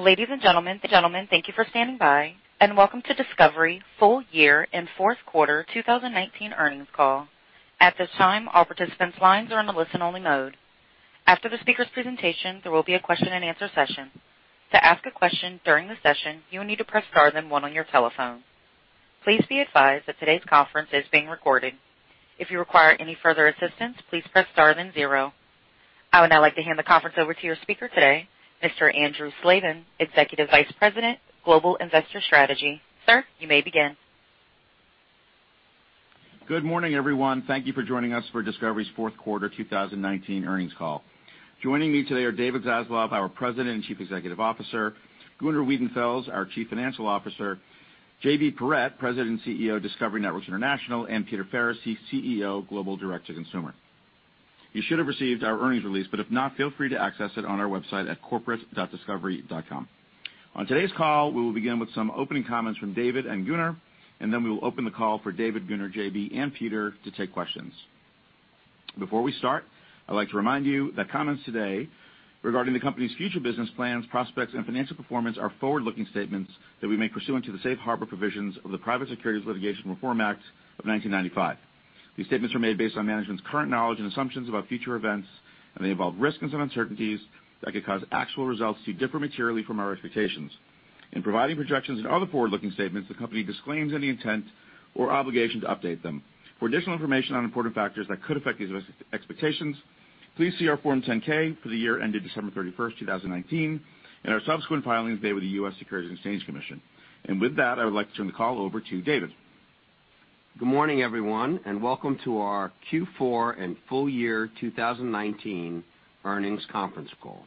Ladies and gentlemen, thank you for standing by, and welcome to Discovery Full Year and Fourth Quarter 2019 Earnings Call. At this time, all participants' lines are in a listen only mode. After the speaker's presentation, there will be a question and answer session. To ask a question during the session, you will need to press star one on your telephone. Please be advised that today's conference is being recorded. If you require any further assistance, please press star zero. I would now like to hand the conference over to your speaker today, Mr. Andrew Slabin, Executive Vice President, Global Investor Strategy. Sir, you may begin. GOod morning, everyone. Thank you for joining us for Discovery's Fourth Quarter 2019 Earnings Call. Joining me today are David Zaslav, our President and Chief Executive Officer, Gunnar Wiedenfels, our Chief Financial Officer, JB Perrette, President and CEO of Discovery Networks International, and Peter Faricy, CEO, Global Direct-to-Consumer. You should have received our earnings release, but if not, feel free to access it on our website at corporate.discovery.com. On today's call, we will begin with some opening comments from David and Gunnar, and then we will open the call for David, Gunnar, JB, and Peter to take questions. Before we start, I'd like to remind you that comments today regarding the company's future business plans, prospects, and financial performance are forward-looking statements that we make pursuant to the safe harbor provisions of the Private Securities Litigation Reform Act of 1995. These statements are made based on management's current knowledge and assumptions about future events, and they involve risks and uncertainties that could cause actual results to differ materially from our expectations. In providing projections and other forward-looking statements, the company disclaims any intent or obligation to update them. For additional information on important factors that could affect these expectations, please see our Form 10-K for the year ended December 31st, 2019, and our subsequent filings made with the U.S. Securities and Exchange Commission. With that, I would like to turn the call over to David. GOod morning, everyone, and welcome to our Q4 and Full Year 2019 Earnings Conference Call.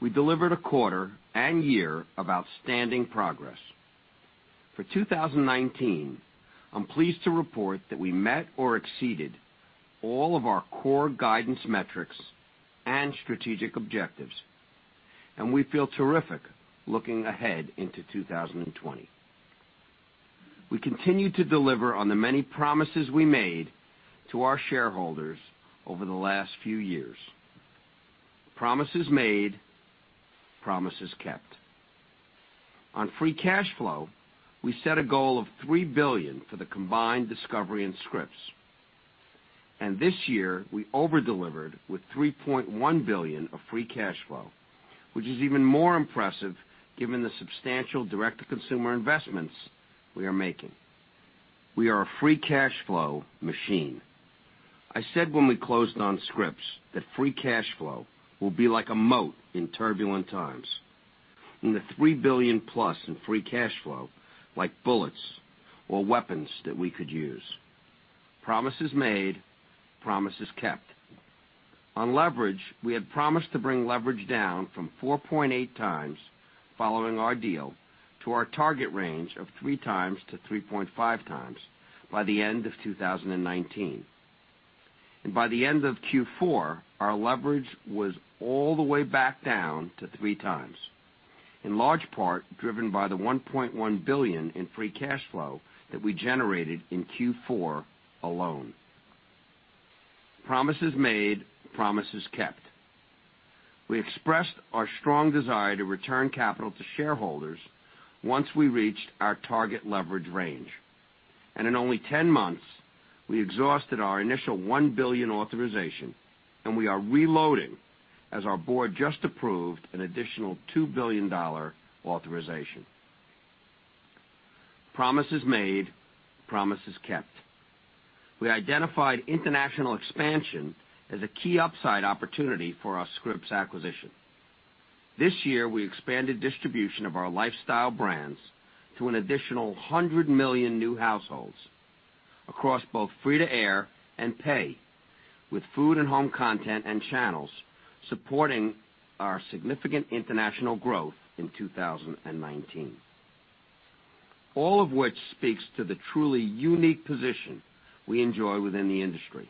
We delivered a quarter and year of outstanding progress. For 2019, I'm pleased to report that we met or exceeded all of our core guidance metrics and strategic objectives, and we feel terrific looking ahead into 2020. We continue to deliver on the many promises we made to our shareholders over the last few years. Promises made, promises kept. On free cash flow, we set a goal of $3 billion for the combined Discovery and Scripps. This year, we over-delivered with $3.1 billion of free cash flow, which is even more impressive given the substantial direct-to-consumer investments we are making. We are a free cash flow machine. I said when we closed on Scripps that free cash flow will be like a moat in turbulent times, and the $3 billion-plus in free cash flow like bullets or weapons that we could use. Promises made, promises kept. On leverage, we had promised to bring leverage down from 4.8x following our deal to our target range of 3x to 3.5x by the end of 2019. By the end of Q4, our leverage was all the way back down to 3x, in large part driven by the $1.1 billion in free cash flow that we generated in Q4 alone. Promises made, promises kept. We expressed our strong desire to return capital to shareholders once we reached our target leverage range. In only 10 months, we exhausted our initial $1 billion authorization, and we are reloading as our board just approved an additional $2 billion authorization. Promises made, promises kept. We identified international expansion as a key upside opportunity for our Scripps acquisition. This year, we expanded distribution of our lifestyle brands to an additional 100 million new households across both free-to-air and pay, with food and home content and channels supporting our significant international growth in 2019. All of which speaks to the truly unique position we enjoy within the industry.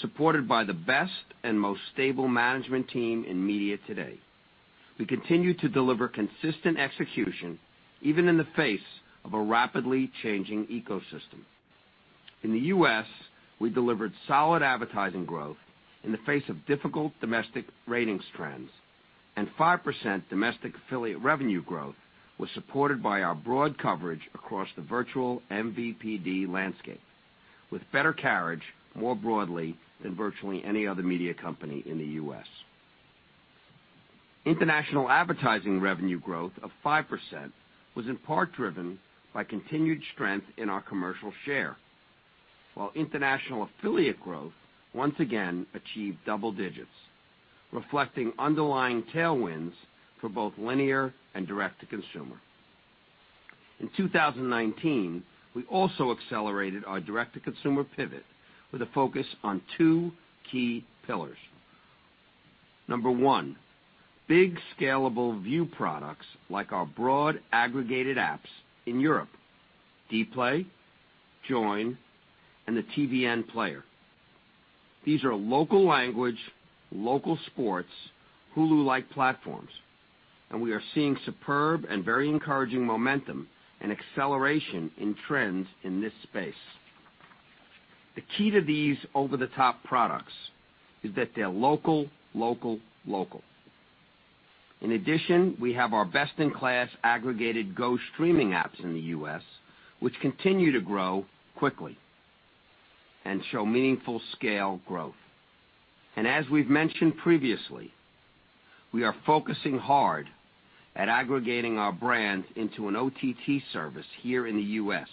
Supported by the best and most stable management team in media today. We continue to deliver consistent execution, even in the face of a rapidly changing ecosystem. In the U.S., we delivered solid advertising growth in the face of difficult domestic ratings trends. Five percent domestic affiliate revenue growth was supported by our broad coverage across the virtual MVPD landscape, with better carriage more broadly than virtually any other media company in the U.S. International advertising revenue growth of 5% was in part driven by continued strength in our commercial share. While international affiliate growth once again achieved double digits, reflecting underlying tailwinds for both linear and direct-to-consumer. In 2019, we also accelerated our direct-to-consumer pivot with a focus on two key pillars. Number one, big scalable view products like our broad aggregated apps in Europe- Dplay, Joyn, and the TVN Player. These are local language, local sports, Hulu-like platforms. We are seeing superb and very encouraging momentum and acceleration in trends in this space. The key to these over-the-top products is that they're local, local. In addition, we have our best-in-class aggregated GO streaming apps in the U.S., which continue to grow quickly and show meaningful scale growth. As we've mentioned previously, we are focusing hard at aggregating our brand into an OTT service here in the U.S.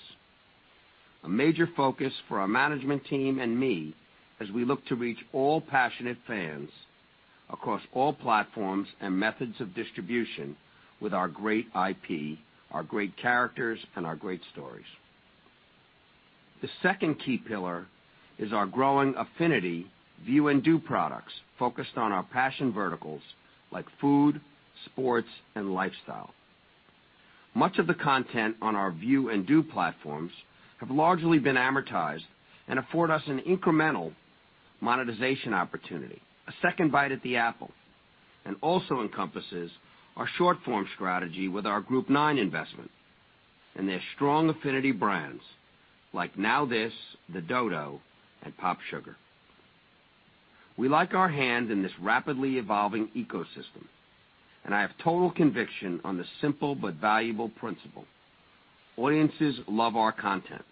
A major focus for our management team and me as we look to reach all passionate fans across all platforms and methods of distribution with our great IP, our great characters, and our great stories. The second key pillar is our growing affinity view and do products focused on our passion verticals like food, sports, and lifestyle. Much of the content on our view and do platforms have largely been amortized and afford us an incremental monetization opportunity, a second bite at the apple, and also encompasses our short-form strategy with our Group Nine investment and their strong affinity brands like NowThis, The Dodo, and PopSugar. We like our hand in this rapidly evolving ecosystem, and I have total conviction on the simple but valuable principle. Audiences love our content.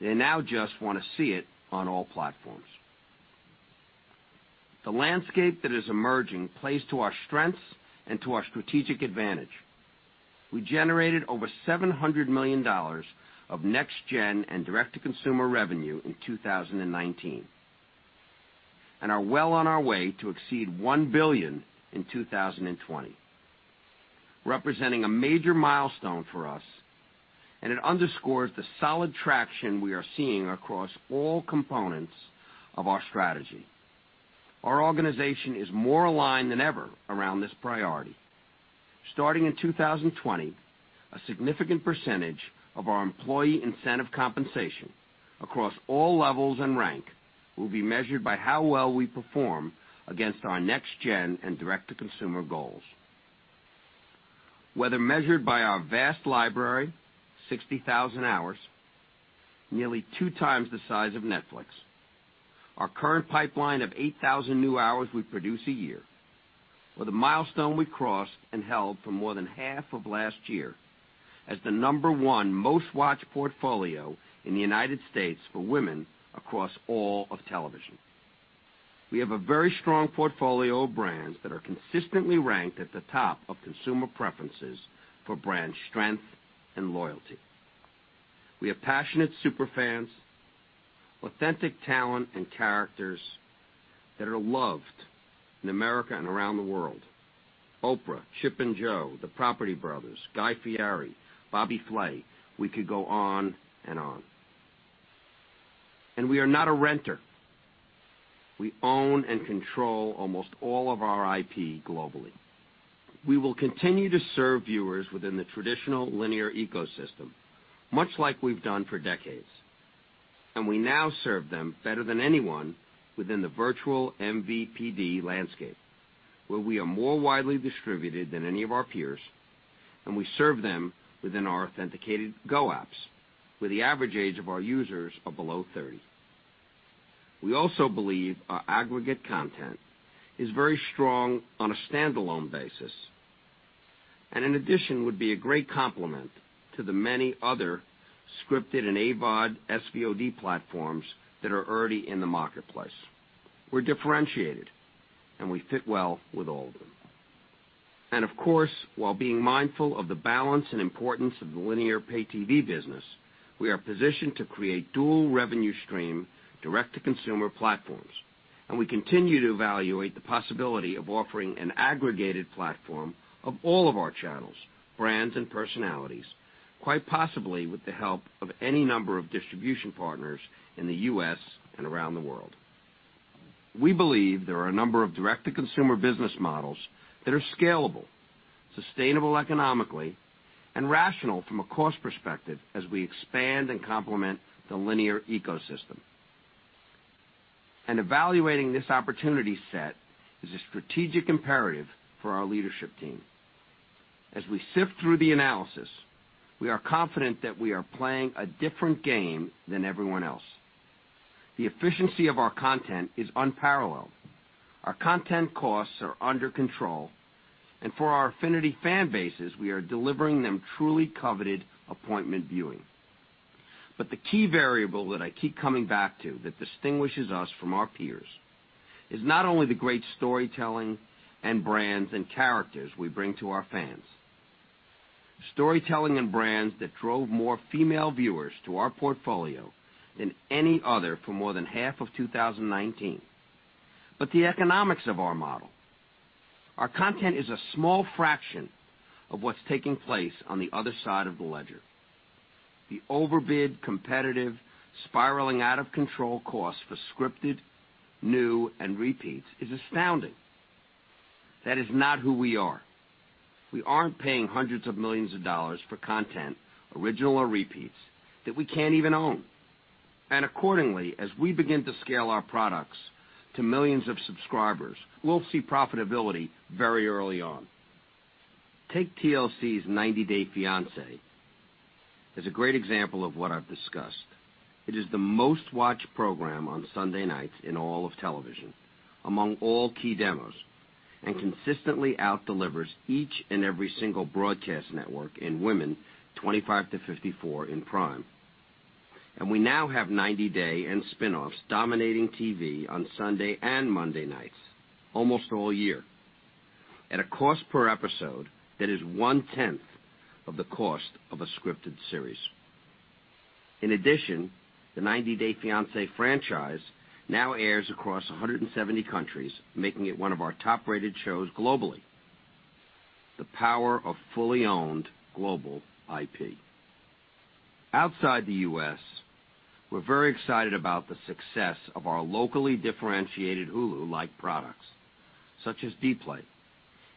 They now just want to see it on all platforms. The landscape that is emerging plays to our strengths and to our strategic advantage. We generated over $700 million of next-gen and direct-to-consumer revenue in 2019, and are well on our way to exceed $1 billion in 2020, representing a major milestone for us, and it underscores the solid traction we are seeing across all components of our strategy. Our organization is more aligned than ever around this priority. Starting in 2020, a significant percentage of our employee incentive compensation across all levels and rank will be measured by how well we perform against our next-gen and direct-to-consumer goals. Whether measured by our vast library, 60,000 hours, nearly two times the size of Netflix, our current pipeline of 8,000 new hours we produce a year, or the milestone we crossed and held for more than half of last year as the number one most-watched portfolio in the United States for women across all of television. We have a very strong portfolio of brands that are consistently ranked at the top of consumer preferences for brand strength and loyalty. We have passionate super fans, authentic talent, and characters that are loved in America and around the world: Oprah, Chip and Jo, the Property Brothers, Guy Fieri, Bobby Flay. We could go on and on. We are not a renter. We own and control almost all of our IP globally. We will continue to serve viewers within the traditional linear ecosystem, much like we've done for decades. We now serve them better than anyone within the virtual MVPD landscape, where we are more widely distributed than any of our peers, and we serve them within our authenticated GO apps, where the average age of our users are below 30. We also believe our aggregate content is very strong on a standalone basis, and in addition, would be a great complement to the many other scripted and AVOD, SVOD platforms that are already in the marketplace. We're differentiated, and we fit well with all of them. Of course, while being mindful of the balance and importance of the linear pay TV business, we are positioned to create dual revenue stream direct-to-consumer platforms, and we continue to evaluate the possibility of offering an aggregated platform of all of our channels, brands, and personalities, quite possibly with the help of any number of distribution partners in the U.S. and around the world. We believe there are a number of direct-to-consumer business models that are scalable, sustainable economically, and rational from a cost perspective as we expand and complement the linear ecosystem. Evaluating this opportunity set is a strategic imperative for our leadership team. As we sift through the analysis, we are confident that we are playing a different game than everyone else. The efficiency of our content is unparalleled. Our content costs are under control, and for our affinity fan bases, we are delivering them truly coveted appointment viewing. The key variable that I keep coming back to that distinguishes us from our peers is not only the great storytelling and brands and characters we bring to our fans- storytelling and brands that drove more female viewers to our portfolio than any other for more than half of 2019, but the economics of our model. Our content is a small fraction of what's taking place on the other side of the ledger. The overbid, competitive, spiraling out-of-control cost for scripted, new, and repeats is astounding. That is not who we are. We aren't paying hundreds of millions of dollars for content, original or repeats, that we can't even own. Accordingly, as we begin to scale our products to millions of subscribers, we'll see profitability very early on. Take TLC's "90 Day Fiancé" as a great example of what I've discussed. It is the most watched program on Sunday nights in all of television among all key demos, and consistently out-delivers each and every single broadcast network in women 25-54 in Prime. We now have "90 Day" and spinoffs dominating TV on Sunday and Monday nights almost all year, at a cost per episode that is one-tenth of the cost of a scripted series. In addition, the "90 Day Fiancé" franchise now airs across 170 countries, making it one of our top-rated shows globally. The power of fully owned global IP. Outside the U.S., we're very excited about the success of our locally differentiated Hulu-like products, such as Dplay.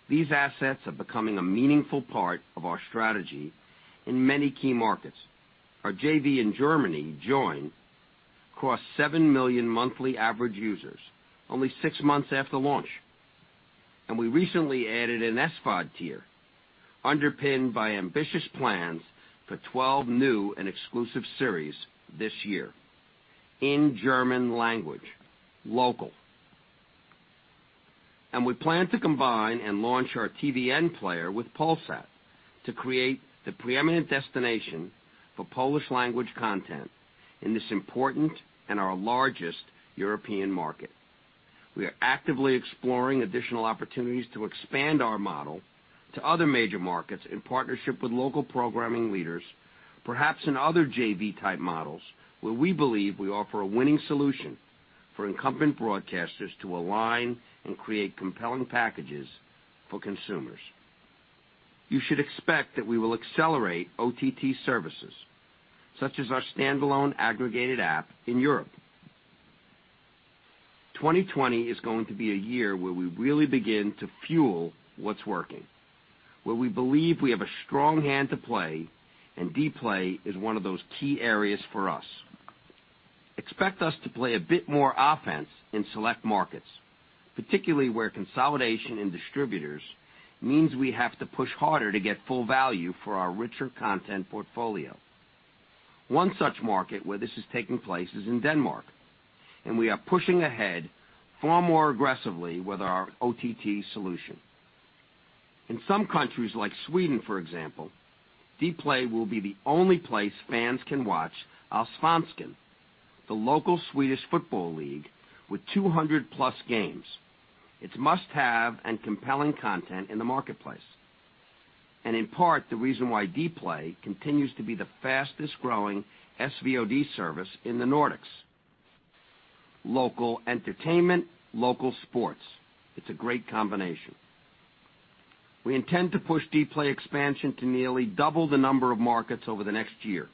These assets are becoming a meaningful part of our strategy in many key markets. Our JV in Germany, Joyn, crossed 7 million monthly average users only six months after launch. We recently added an SVOD tier underpinned by ambitious plans for 12 new and exclusive series this year in German language, local. We plan to combine and launch our TVN Player with Polsat to create the preeminent destination for Polish language content in this important and our largest European market. We are actively exploring additional opportunities to expand our model to other major markets in partnership with local programming leaders, perhaps in other JV-type models, where we believe we offer a winning solution for incumbent broadcasters to align and create compelling packages for consumers. You should expect that we will accelerate OTT services, such as our standalone aggregated app in Europe. 2020 is going to be a year where we really begin to fuel what's working, where we believe we have a strong hand to play. Dplay is one of those key areas for us. Expect us to play a bit more offense in select markets, particularly where consolidation in distributors means we have to push harder to get full value for our richer content portfolio. One such market where this is taking place is in Denmark. We are pushing ahead far more aggressively with our OTT solution. In some countries like Sweden, for example, Dplay will be the only place fans can watch Allsvenskan, the local Swedish football league, with 200-plus games. It's must-have and compelling content in the marketplace. In part, the reason why Dplay continues to be the fastest-growing SVOD service in the Nordics. Local entertainment, local sports. It's a great combination. We intend to push Dplay expansion to nearly double the number of markets over the next year,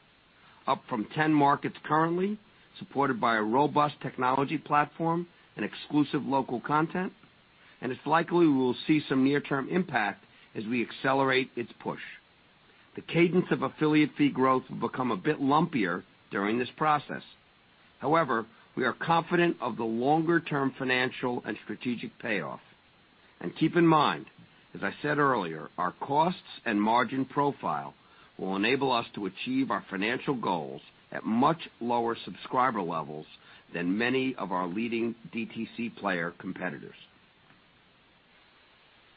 up from 10 markets currently, supported by a robust technology platform and exclusive local content. It's likely we will see some near-term impact as we accelerate its push. The cadence of affiliate fee growth will become a bit lumpier during this process. However, we are confident of the longer-term financial and strategic payoff. Keep in mind, as I said earlier, our costs and margin profile will enable us to achieve our financial goals at much lower subscriber levels than many of our leading DTC player competitors.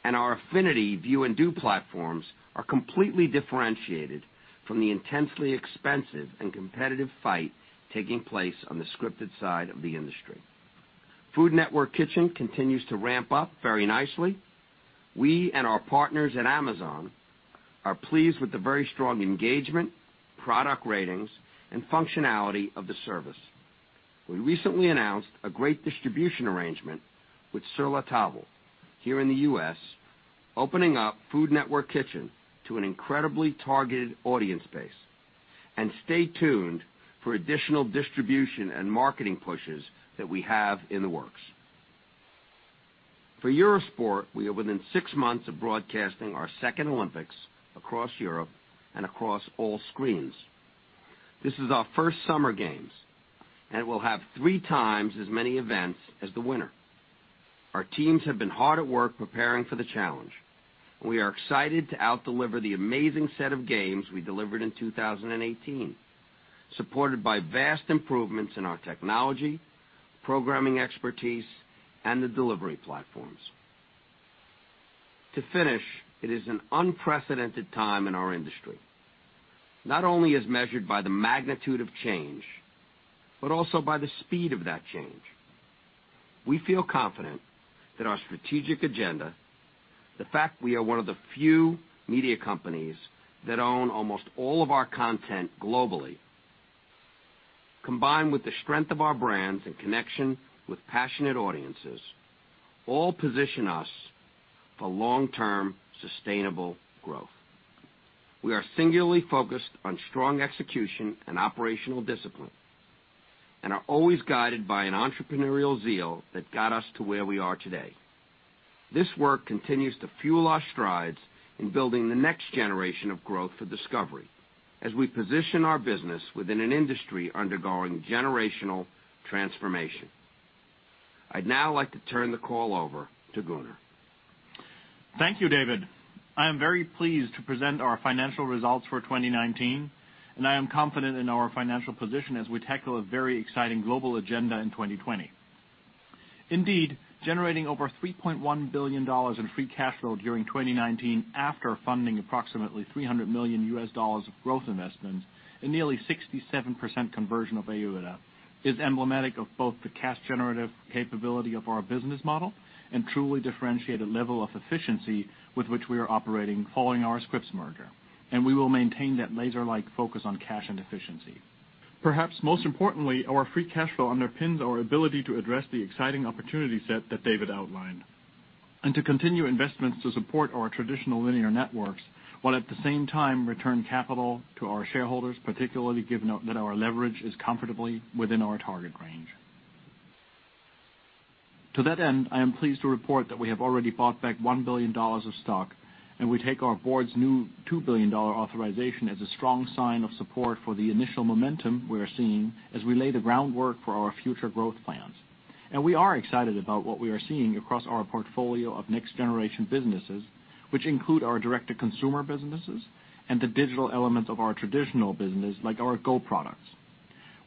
Our affinity view and do platforms are completely differentiated from the intensely expensive and competitive fight taking place on the scripted side of the industry. Food Network Kitchen continues to ramp up very nicely. We and our partners at Amazon are pleased with the very strong engagement, product ratings, and functionality of the service. We recently announced a great distribution arrangement with Sur La Table here in the U.S., opening up Food Network Kitchen to an incredibly targeted audience base. Stay tuned for additional distribution and marketing pushes that we have in the works. For Eurosport, we are within six months of broadcasting our second Olympics across Europe and across all screens. This is our first Summer Games, and we'll have three times as many events as the winter. Our teams have been hard at work preparing for the challenge. We are excited to out-deliver the amazing set of games we delivered in 2018, supported by vast improvements in our technology, programming expertise, and the delivery platforms. To finish, it is an unprecedented time in our industry, not only as measured by the magnitude of change, but also by the speed of that change. We feel confident that our strategic agenda, the fact we are one of the few media companies that own almost all of our content globally, combined with the strength of our brands and connection with passionate audiences, all position us for long-term sustainable growth. We are singularly focused on strong execution and operational discipline and are always guided by an entrepreneurial zeal that got us to where we are today. This work continues to fuel our strides in building the next generation of growth for Discovery, as we position our business within an industry undergoing generational transformation. I'd now like to turn the call over to Gunnar. Thank you, David. I am very pleased to present our financial results for 2019. I am confident in our financial position as we tackle a very exciting global agenda in 2020. Indeed, generating over $3.1 billion in free cash flow during 2019, after funding approximately $300 million of growth investments and nearly 67% conversion of AOIBDA, is emblematic of both the cash generative capability of our business model and truly differentiated level of efficiency with which we are operating following our Scripps merger. We will maintain that laser-like focus on cash and efficiency. Perhaps most importantly, our free cash flow underpins our ability to address the exciting opportunity set that David outlined, and to continue investments to support our traditional linear networks, while at the same time return capital to our shareholders, particularly given that our leverage is comfortably within our target range. To that end, I am pleased to report that we have already bought back $1 billion of stock. We take our board's new $2 billion authorization as a strong sign of support for the initial momentum we're seeing as we lay the groundwork for our future growth plans. We are excited about what we are seeing across our portfolio of next-generation businesses, which include our direct-to-consumer businesses and the digital elements of our traditional business, like our GO products.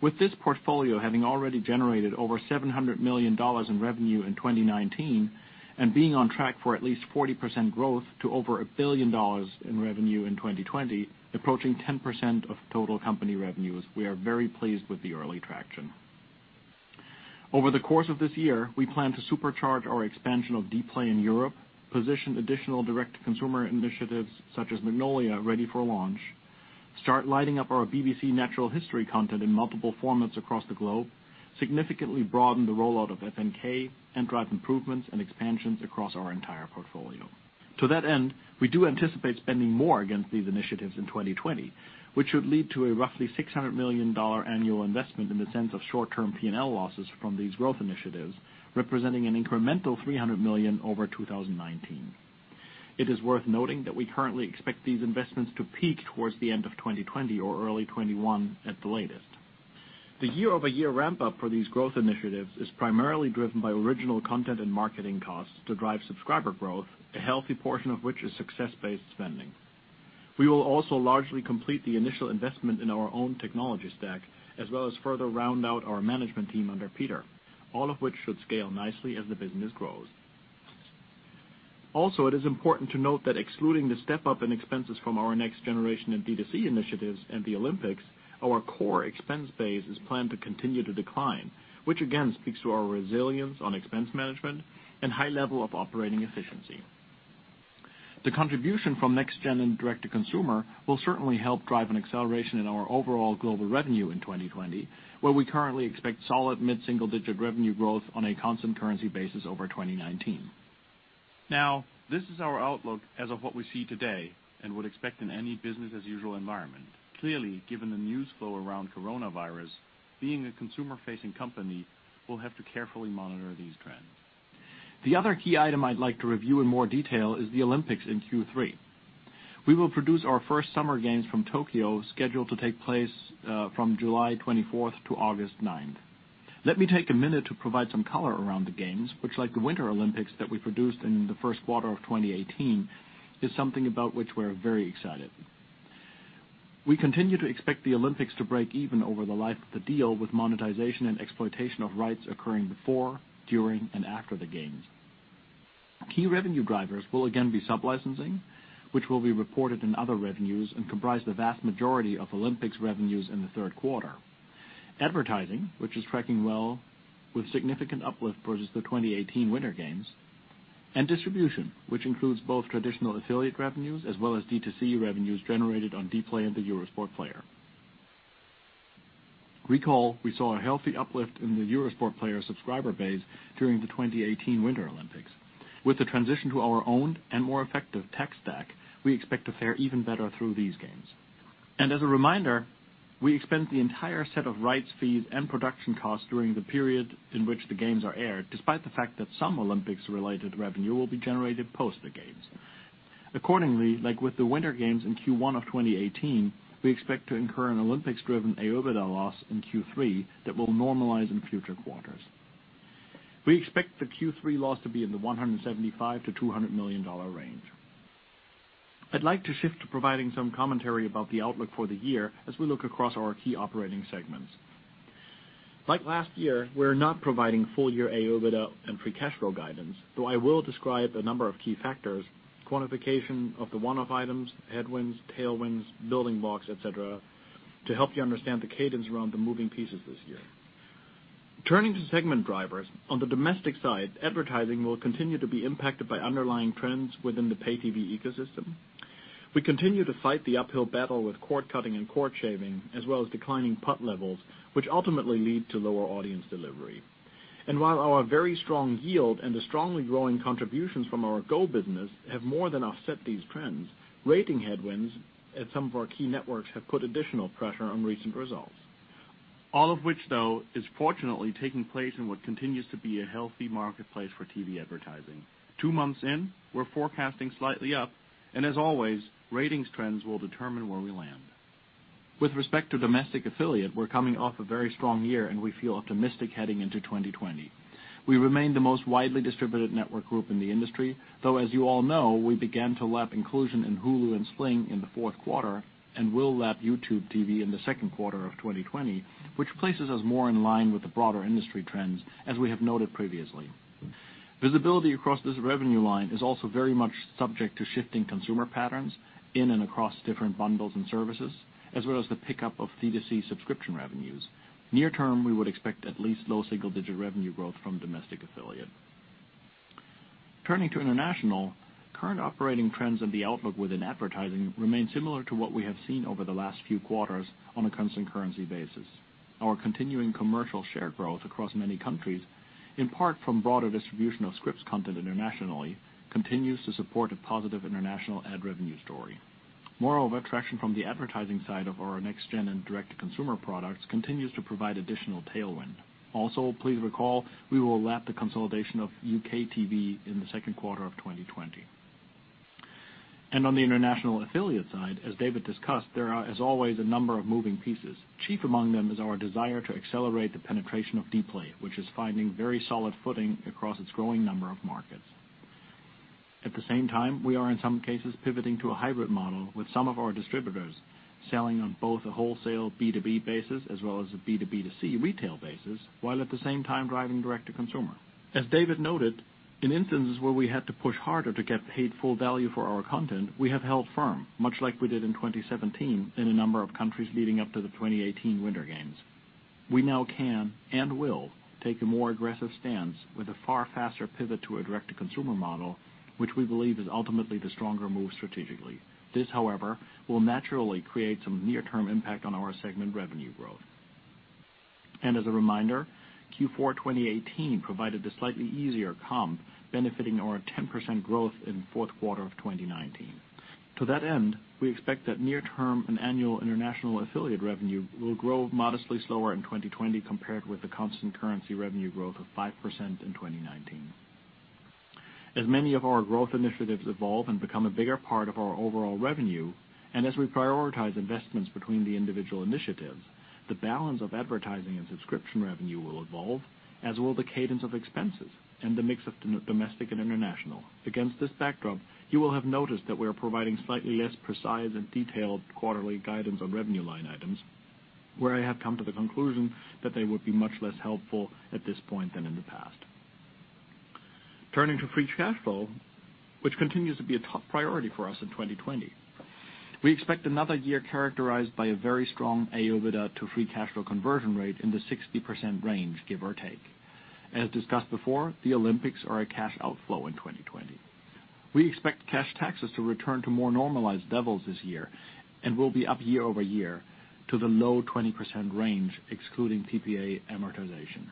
With this portfolio having already generated over $700 million in revenue in 2019 and being on track for at least 40% growth to over $1 billion in revenue in 2020, approaching 10% of total company revenues, we are very pleased with the early traction. Over the course of this year, we plan to supercharge our expansion of Dplay in Europe, position additional direct consumer initiatives such as Magnolia ready for launch, start lighting up our BBC Natural History content in multiple formats across the globe, significantly broaden the rollout of FNK, and drive improvements and expansions across our entire portfolio. To that end, we do anticipate spending more against these initiatives in 2020, which should lead to a roughly $600 million annual investment in the sense of short-term P&L losses from these growth initiatives, representing an incremental $300 million over 2019. It is worth noting that we currently expect these investments to peak towards the end of 2020 or early 2021 at the latest. The year-over-year ramp-up for these growth initiatives is primarily driven by original content and marketing costs to drive subscriber growth, a healthy portion of which is success-based spending. We will also largely complete the initial investment in our own technology stack, as well as further round out our management team under Peter, all of which should scale nicely as the business grows. It is important to note that excluding the step-up in expenses from our next generation in D2C initiatives and the Olympics, our core expense base is planned to continue to decline, which again speaks to our resilience on expense management and high level of operating efficiency. The contribution from next gen and Direct-to-Consumer will certainly help drive an acceleration in our overall global revenue in 2020, where we currently expect solid mid-single-digit revenue growth on a constant currency basis over 2019. This is our outlook as of what we see today and would expect in any business as usual environment. Clearly, given the news flow around coronavirus, being a consumer-facing company, we'll have to carefully monitor these trends. The other key item I'd like to review in more detail is the Olympics in Q3. We will produce our first Summer Games from Tokyo, scheduled to take place from July 24th to August 9th. Let me take a minute to provide some color around the Games, which like the Winter Olympics that we produced in the first quarter of 2018, is something about which we're very excited. We continue to expect the Olympics to break even over the life of the deal with monetization and exploitation of rights occurring before, during, and after the Games. Key revenue drivers will again be sub-licensing, which will be reported in other revenues and comprise the vast majority of Olympics revenues in the third quarter. Advertising, which is tracking well with significant uplift versus the 2018 Winter Games. Distribution, which includes both traditional affiliate revenues as well as D2C revenues generated on Dplay and the Eurosport Player. Recall, we saw a healthy uplift in the Eurosport Player subscriber base during the 2018 Winter Olympics. With the transition to our own and more effective tech stack, we expect to fare even better through these games. As a reminder, we expend the entire set of rights fees and production costs during the period in which the games are aired, despite the fact that some Olympics-related revenue will be generated post the games. Accordingly, like with the Winter Games in Q1 of 2018, we expect to incur an Olympics-driven AOIBDA loss in Q3 that will normalize in future quarters. We expect the Q3 loss to be in the $175 million-$200 million range. I'd like to shift to providing some commentary about the outlook for the year as we look across our key operating segments. Like last year, we're not providing full-year AOIBDA and free cash flow guidance, though I will describe a number of key factors, quantification of the one-off items, headwinds, tailwinds, building blocks, et cetera, to help you understand the cadence around the moving pieces this year. Turning to segment drivers, on the domestic side, advertising will continue to be impacted by underlying trends within the pay-TV ecosystem. We continue to fight the uphill battle with cord-cutting and cord-shaving, as well as declining PUT levels, which ultimately lead to lower audience delivery. While our very strong yield and the strongly growing contributions from our GO business have more than offset these trends, rating headwinds at some of our key networks have put additional pressure on recent results. All of which, though, is fortunately taking place in what continues to be a healthy marketplace for TV advertising. Two months in, we're forecasting slightly up, and as always, ratings trends will determine where we land. With respect to domestic affiliate, we're coming off a very strong year, and we feel optimistic heading into 2020. We remain the most widely distributed network group in the industry, though, as you all know, we began to lap inclusion in Hulu and Sling in the fourth quarter and will lap YouTube TV in the second quarter of 2020, which places us more in line with the broader industry trends, as we have noted previously. Visibility across this revenue line is also very much subject to shifting consumer patterns in and across different bundles and services, as well as the pickup of D2C subscription revenues. Near term, we would expect at least low single-digit revenue growth from domestic affiliate. Turning to international, current operating trends and the outlook within advertising remain similar to what we have seen over the last few quarters on a constant currency basis. Our continuing commercial share growth across many countries, in part from broader distribution of Scripps content internationally, continues to support a positive international ad revenue story. Moreover, traction from the advertising side of our next-gen and direct-to-consumer products continues to provide additional tailwind. Please recall, we will lap the consolidation of UKTV in the second quarter of 2020. On the international affiliate side, as David discussed, there are, as always, a number of moving pieces. Chief among them is our desire to accelerate the penetration of Dplay, which is finding very solid footing across its growing number of markets. At the same time, we are in some cases pivoting to a hybrid model with some of our distributors, selling on both a wholesale B2B basis as well as a B2B2C retail basis, while at the same time driving direct to consumer. As David noted, in instances where we had to push harder to get paid full value for our content, we have held firm, much like we did in 2017 in a number of countries leading up to the 2018 Winter Games. We now can and will take a more aggressive stance with a far faster pivot to a direct-to-consumer model, which we believe is ultimately the stronger move strategically. This, however, will naturally create some near-term impact on our segment revenue growth. As a reminder, Q4 2018 provided a slightly easier comp, benefiting our 10% growth in the fourth quarter of 2019. To that end, we expect that near term and annual international affiliate revenue will grow modestly slower in 2020 compared with the constant currency revenue growth of 5% in 2019. As many of our growth initiatives evolve and become a bigger part of our overall revenue, and as we prioritize investments between the individual initiatives, the balance of advertising and subscription revenue will evolve, as will the cadence of expenses and the mix of domestic and international. Against this backdrop, you will have noticed that we are providing slightly less precise and detailed quarterly guidance on revenue line items, where I have come to the conclusion that they would be much less helpful at this point than in the past. Turning to free cash flow, which continues to be a top priority for us in 2020. We expect another year characterized by a very strong AOIBDA to free cash flow conversion rate in the 60% range, give or take. As discussed before, the Olympics are a cash outflow in 2020. We expect cash taxes to return to more normalized levels this year and will be up year-over-year to the low 20% range, excluding TPA amortization.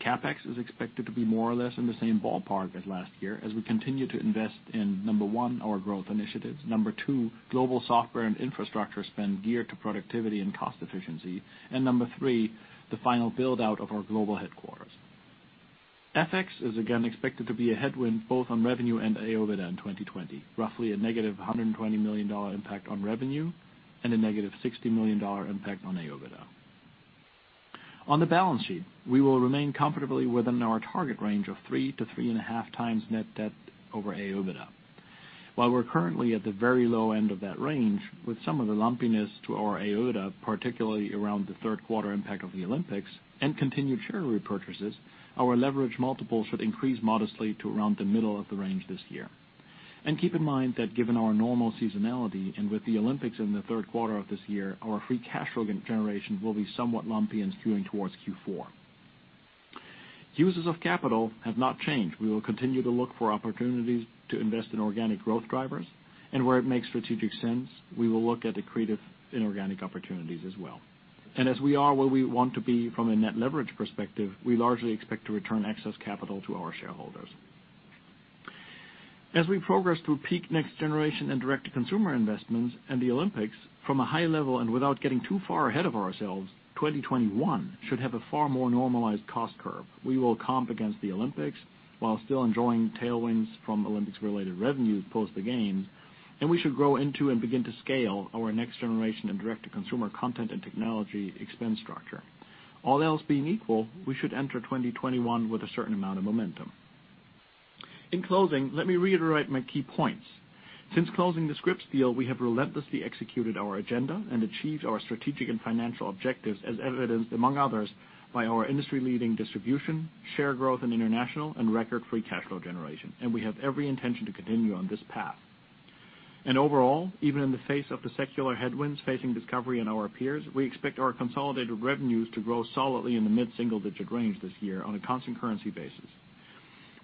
CapEx is expected to be more or less in the same ballpark as last year as we continue to invest in, number one, our growth initiatives, number two, global software and infrastructure spend geared to productivity and cost efficiency, and number three, the final build-out of our global headquarters. FX is again expected to be a headwind both on revenue and AOIBDA in 2020, roughly a -$120 million impact on revenue and a -$60 million impact on AOIBDA. On the balance sheet, we will remain comfortably within our target range of three to three and a half times net debt over AOIBDA. While we're currently at the very low end of that range, with some of the lumpiness to our AOIBDA, particularly around the third quarter impact of the Olympics and continued share repurchases, our leverage multiples should increase modestly to around the middle of the range this year. Keep in mind that given our normal seasonality and with the Olympics in the third quarter of this year, our free cash flow generation will be somewhat lumpy and skewing towards Q4. Uses of capital have not changed. We will continue to look for opportunities to invest in organic growth drivers, where it makes strategic sense, we will look at accretive inorganic opportunities as well. As we are where we want to be from a net leverage perspective, we largely expect to return excess capital to our shareholders. As we progress through peak next-generation and direct-to-consumer investments and the Olympics from a high level and without getting too far ahead of ourselves, 2021 should have a far more normalized cost curve. We will comp against the Olympics while still enjoying tailwinds from Olympics-related revenues post the games, we should grow into and begin to scale our next-generation and direct-to-consumer content and technology expense structure. All else being equal, we should enter 2021 with a certain amount of momentum. In closing, let me reiterate my key points. Since closing the Scripps deal, we have relentlessly executed our agenda and achieved our strategic and financial objectives as evidenced among others by our industry-leading distribution, share growth in international, and record free cash flow generation. We have every intention to continue on this path. Overall, even in the face of the secular headwinds facing Discovery and our peers, we expect our consolidated revenues to grow solidly in the mid-single digit range this year on a constant currency basis.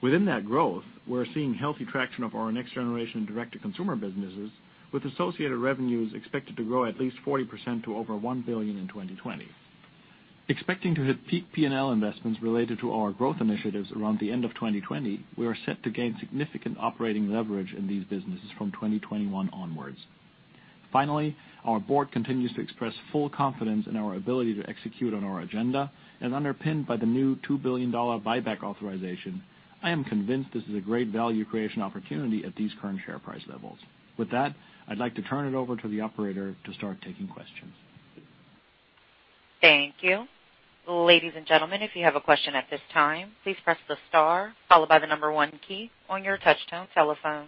Within that growth, we're seeing healthy traction of our next generation direct-to-consumer businesses with associated revenues expected to grow at least 40% to over $1 billion in 2020. Expecting to hit peak P&L investments related to our growth initiatives around the end of 2020, we are set to gain significant operating leverage in these businesses from 2021 onwards. Finally, our board continues to express full confidence in our ability to execute on our agenda and underpinned by the new $2 billion buyback authorization. I am convinced this is a great value creation opportunity at these current share price levels. With that, I'd like to turn it over to the operator to start taking questions. Thank you. Ladies and gentlemen, if you have a question at this time, please press the star followed by the number one key on your touchtone telephone.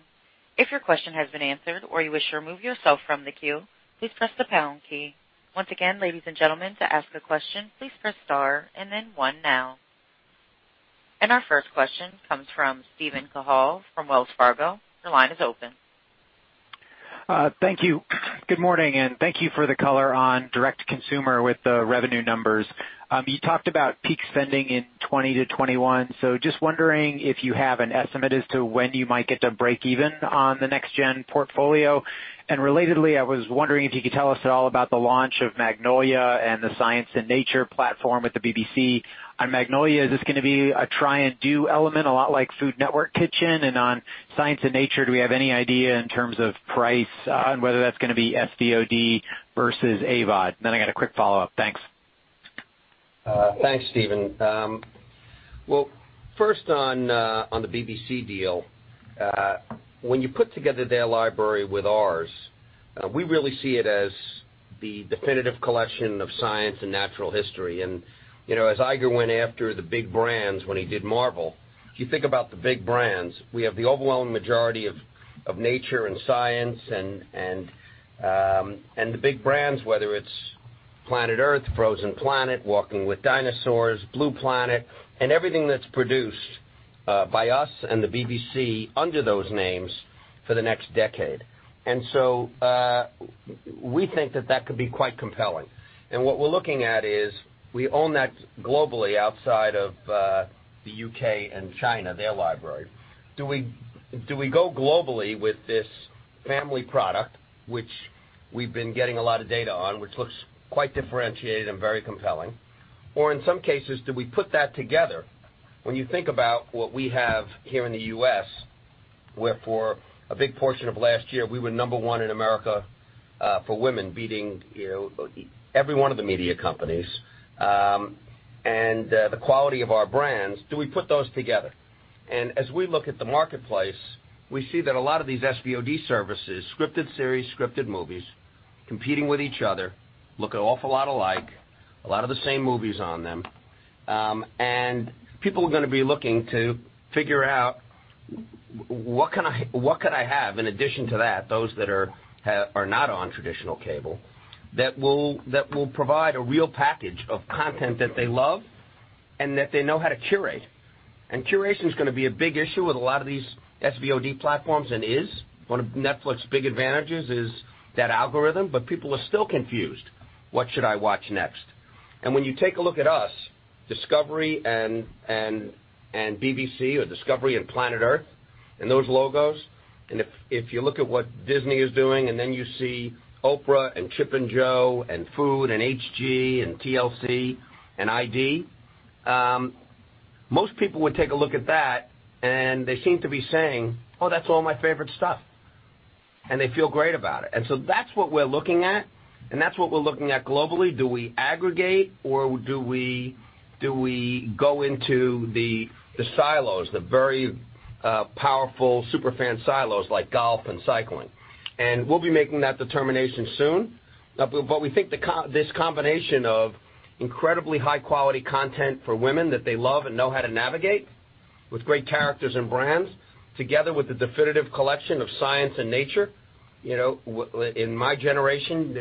If your question has been answered or you wish to remove yourself from the queue, please press the pound key. Once again, ladies and gentlemen, to ask a question, please press star and then one now. Our first question comes from Steven Cahall from Wells Fargo. Your line is open. Thank you. Good morning, and thank you for the color on Direct-to-Consumer with the revenue numbers. You talked about peak spending in 2020-2021. Just wondering if you have an estimate as to when you might get to break even on the next-gen portfolio. Relatedly, I was wondering if you could tell us at all about the launch of Magnolia and the Science and Nature platform with the BBC. On Magnolia, is this going to be a try and do element, a lot like Food Network Kitchen? On Science and Nature, do we have any idea in terms of price on whether that's going to be SVOD versus AVOD? I got a quick follow-up. Thanks. Thanks, Steven. Well, first on the BBC deal, when you put together their library with ours, we really see it as the definitive collection of science and natural history. As Iger went after the big brands when he did Marvel, if you think about the big brands, we have the overwhelming majority of nature and science and the big brands, whether it's Planet Earth, Frozen Planet, Walking with Dinosaurs, Blue Planet, and everything that's produced by us and the BBC under those names for the next decade. We think that that could be quite compelling. What we're looking at is we own that globally outside of the U.K. and China, their library. Do we go globally with this family product, which we've been getting a lot of data on, which looks quite differentiated and very compelling? In some cases, do we put that together? When you think about what we have here in the U.S., where for a big portion of last year, we were number one in America for women, beating every one of the media companies. The quality of our brands, do we put those together? As we look at the marketplace, we see that a lot of these SVOD services, scripted series, scripted movies, competing with each other, look an awful lot alike, a lot of the same movies on them. People are going to be looking to figure out what could I have in addition to that, those that are not on traditional cable, that will provide a real package of content that they love and that they know how to curate. Curation is going to be a big issue with a lot of these SVOD platforms. One of Netflix's big advantages is that algorithm, but people are still confused. What should I watch next? When you take a look at us, Discovery and BBC, or Discovery and Planet Earth, and those logos, and if you look at what Disney is doing, and then you see Oprah and Chip and Jo and Food and HG and TLC and ID, most people would take a look at that and they seem to be saying, "Oh, that's all my favorite stuff." They feel great about it. That's what we're looking at, and that's what we're looking at globally. Do we aggregate or do we go into the silos, the very powerful super fan silos like golf and cycling? We'll be making that determination soon. We think this combination of incredibly high-quality content for women that they love and know how to navigate with great characters and brands, together with the definitive collection of science and nature. In my generation,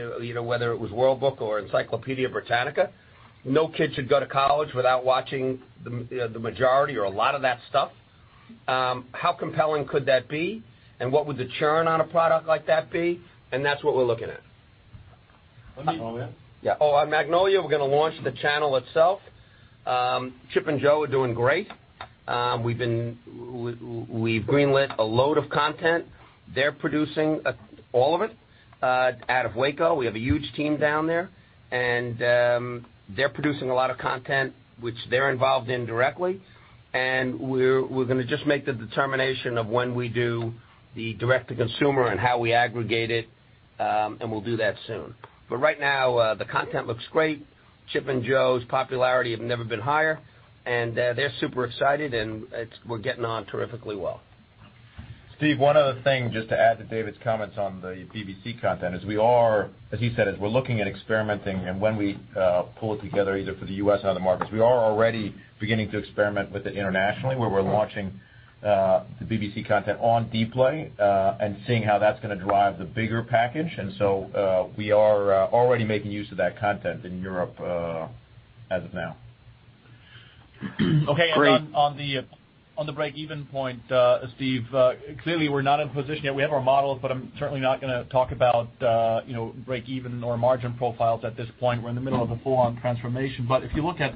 whether it was World Book or Encyclopædia Britannica, no kid should go to college without watching the majority or a lot of that stuff. How compelling could that be? What would the churn on a product like that be? That's what we're looking at. On Magnolia? Yeah. Oh, on Magnolia, we're going to launch the channel itself. Chip and Jo are doing great. We've greenlit a load of content. They're producing all of it out of Waco. We have a huge team down there. They're producing a lot of content which they're involved in directly. We're going to just make the determination of when we do the Direct-to-Consumer and how we aggregate it, and we'll do that soon. Right now, the content looks great. Chip and Jo's popularity have never been higher, and they're super excited, and we're getting on terrifically well. Steve, one other thing, just to add to David's comments on the BBC content is we are, as he said, we're looking at experimenting- and when we pull it together, either for the U.S. and other markets. We are already beginning to experiment with it internationally, where we're launching the BBC content on Dplay and seeing how that's going to drive the bigger package. We are already making use of that content in Europe as of now. Great. Okay. On the break-even point, Steve, clearly we're not in position yet. We have our models, but I'm certainly not going to talk about break-even or margin profiles at this point. We're in the middle of a full-on transformation. If you look at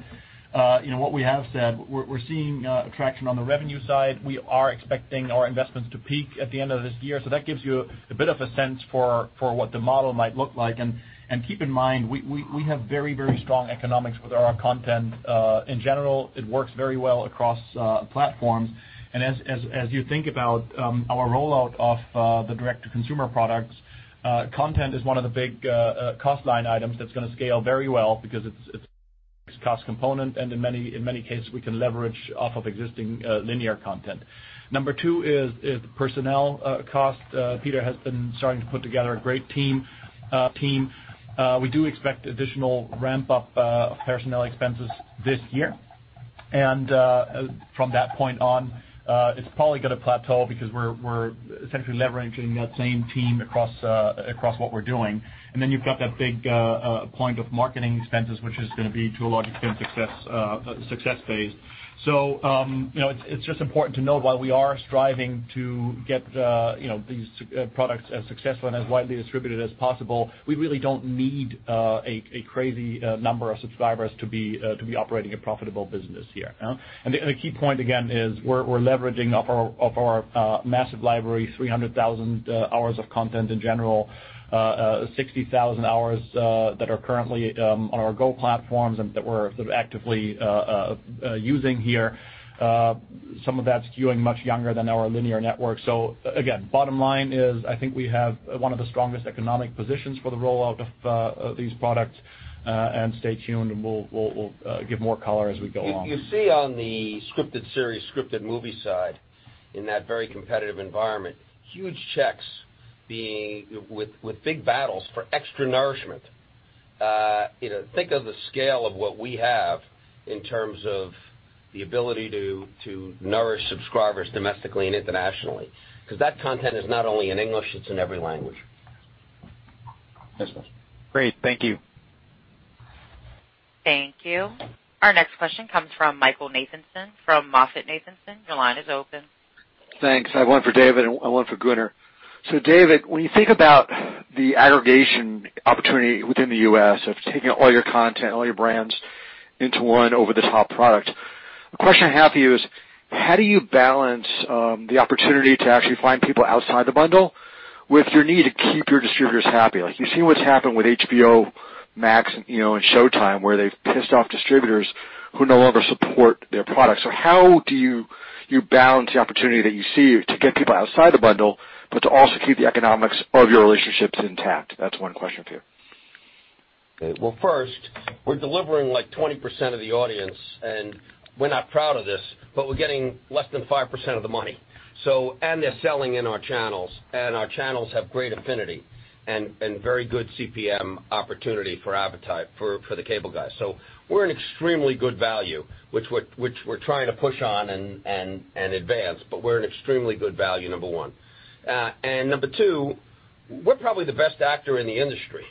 what we have said, we're seeing attraction on the revenue side. We are expecting our investments to peak at the end of this year. That gives you a bit of a sense for what the model might look like. Keep in mind, we have very strong economics with our content. In general, it works very well across platforms. As you think about our rollout of the direct-to-consumer products, content is one of the big cost line items that's going to scale very well because it's cost component, in many cases, we can leverage off of existing linear content. Number two is personnel cost. Peter has been starting to put together a great team. We do expect additional ramp-up of personnel expenses this year. From that point on, it's probably going to plateau because we're essentially leveraging that same team across what we're doing. You've got that big point of marketing expenses, which is going to be to a large extent success phase. It's just important to know while we are striving to get these products as successful and as widely distributed as possible, we really don't need a crazy number of subscribers to be operating a profitable business here. The key point again is we're leveraging off our massive library, 300,000 hours of content in general, 60,000 hours that are currently on our GO platforms and that we're sort of actively using here. Some of that skewing much younger than our linear network. Again, bottom line is, I think we have one of the strongest economic positions for the rollout of these products, and stay tuned and we'll give more color as we go along. You see on the scripted series, scripted movie side, in that very competitive environment, huge checks being with big battles for exclusive content. Think of the scale of what we have in terms of the ability to nourish subscribers domestically and internationally, because that content is not only in English, it's in every language. Great. Thank you. Thank you. Our next question comes from Michael Nathanson from MoffettNathanson. Your line is open. Thanks. I have one for David and one for Gunnar. David, when you think about the aggregation opportunity within the U.S. of taking all your content, all your brands into one over-the-top product, the question I have for you is how do you balance the opportunity to actually find people outside the bundle with your need to keep your distributors happy? Like, you've seen what's happened with HBO Max and Showtime, where they've pissed off distributors who no longer support their products. How do you balance the opportunity that you see to get people outside the bundle, but to also keep the economics of your relationships intact? That's one question for you. Okay. Well, first, we're delivering like 20% of the audience, and we're not proud of this, but we're getting less than 5% of the money. They're selling in our channels, and our channels have great affinity and very good CPM opportunity for appetite for the cable guys. We're an extremely good value, which we're trying to push on and advance, but we're an extremely good value, number one. Number two, we're probably the best actor in the industry.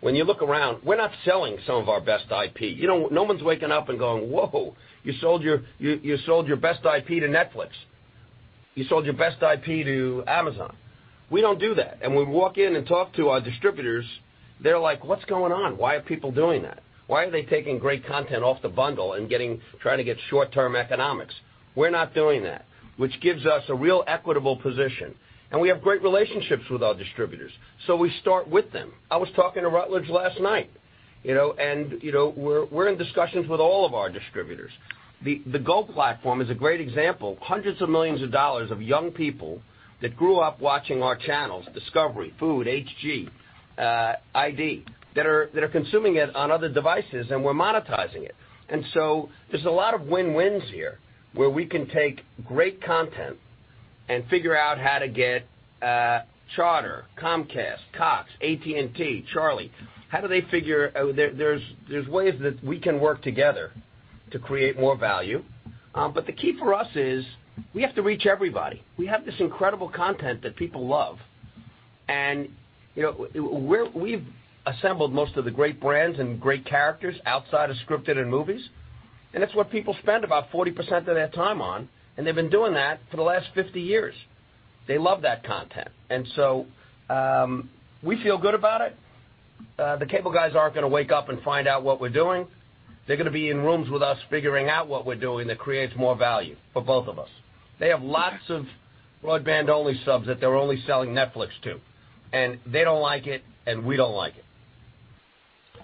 When you look around, we're not selling some of our best IP. No one's waking up and going, "Whoa, you sold your best IP to Netflix. You sold your best IP to Amazon." We don't do that. When we walk in and talk to our distributors, they're like, "What's going on? Why are people doing that? Why are they taking great content off the bundle and trying to get short-term economics? We're not doing that, which gives us a real equitable position. We have great relationships with our distributors, we start with them. I was talking to Rutledge last night, we're in discussions with all of our distributors. The GO platform is a great example. Hundreds of millions of dollars of young people that grew up watching our channels- Discovery, Food, HG, ID, that are consuming it on other devices and we're monetizing it. There's a lot of win-wins here where we can take great content and figure out how to get Charter, Comcast, Cox, AT&T, Charlie, how do they figure? There's ways that we can work together to create more value. The key for us is we have to reach everybody. We have this incredible content that people love. We've assembled most of the great brands and great characters outside of scripted and movies, and that's what people spend about 40% of their time on, and they've been doing that for the last 50 years. They love that content. We feel good about it. The cable guys aren't going to wake up and find out what we're doing. They're going to be in rooms with us figuring out what we're doing that creates more value for both of us. They have lots of broadband-only subs that they're only selling Netflix to, and they don't like it, and we don't like it.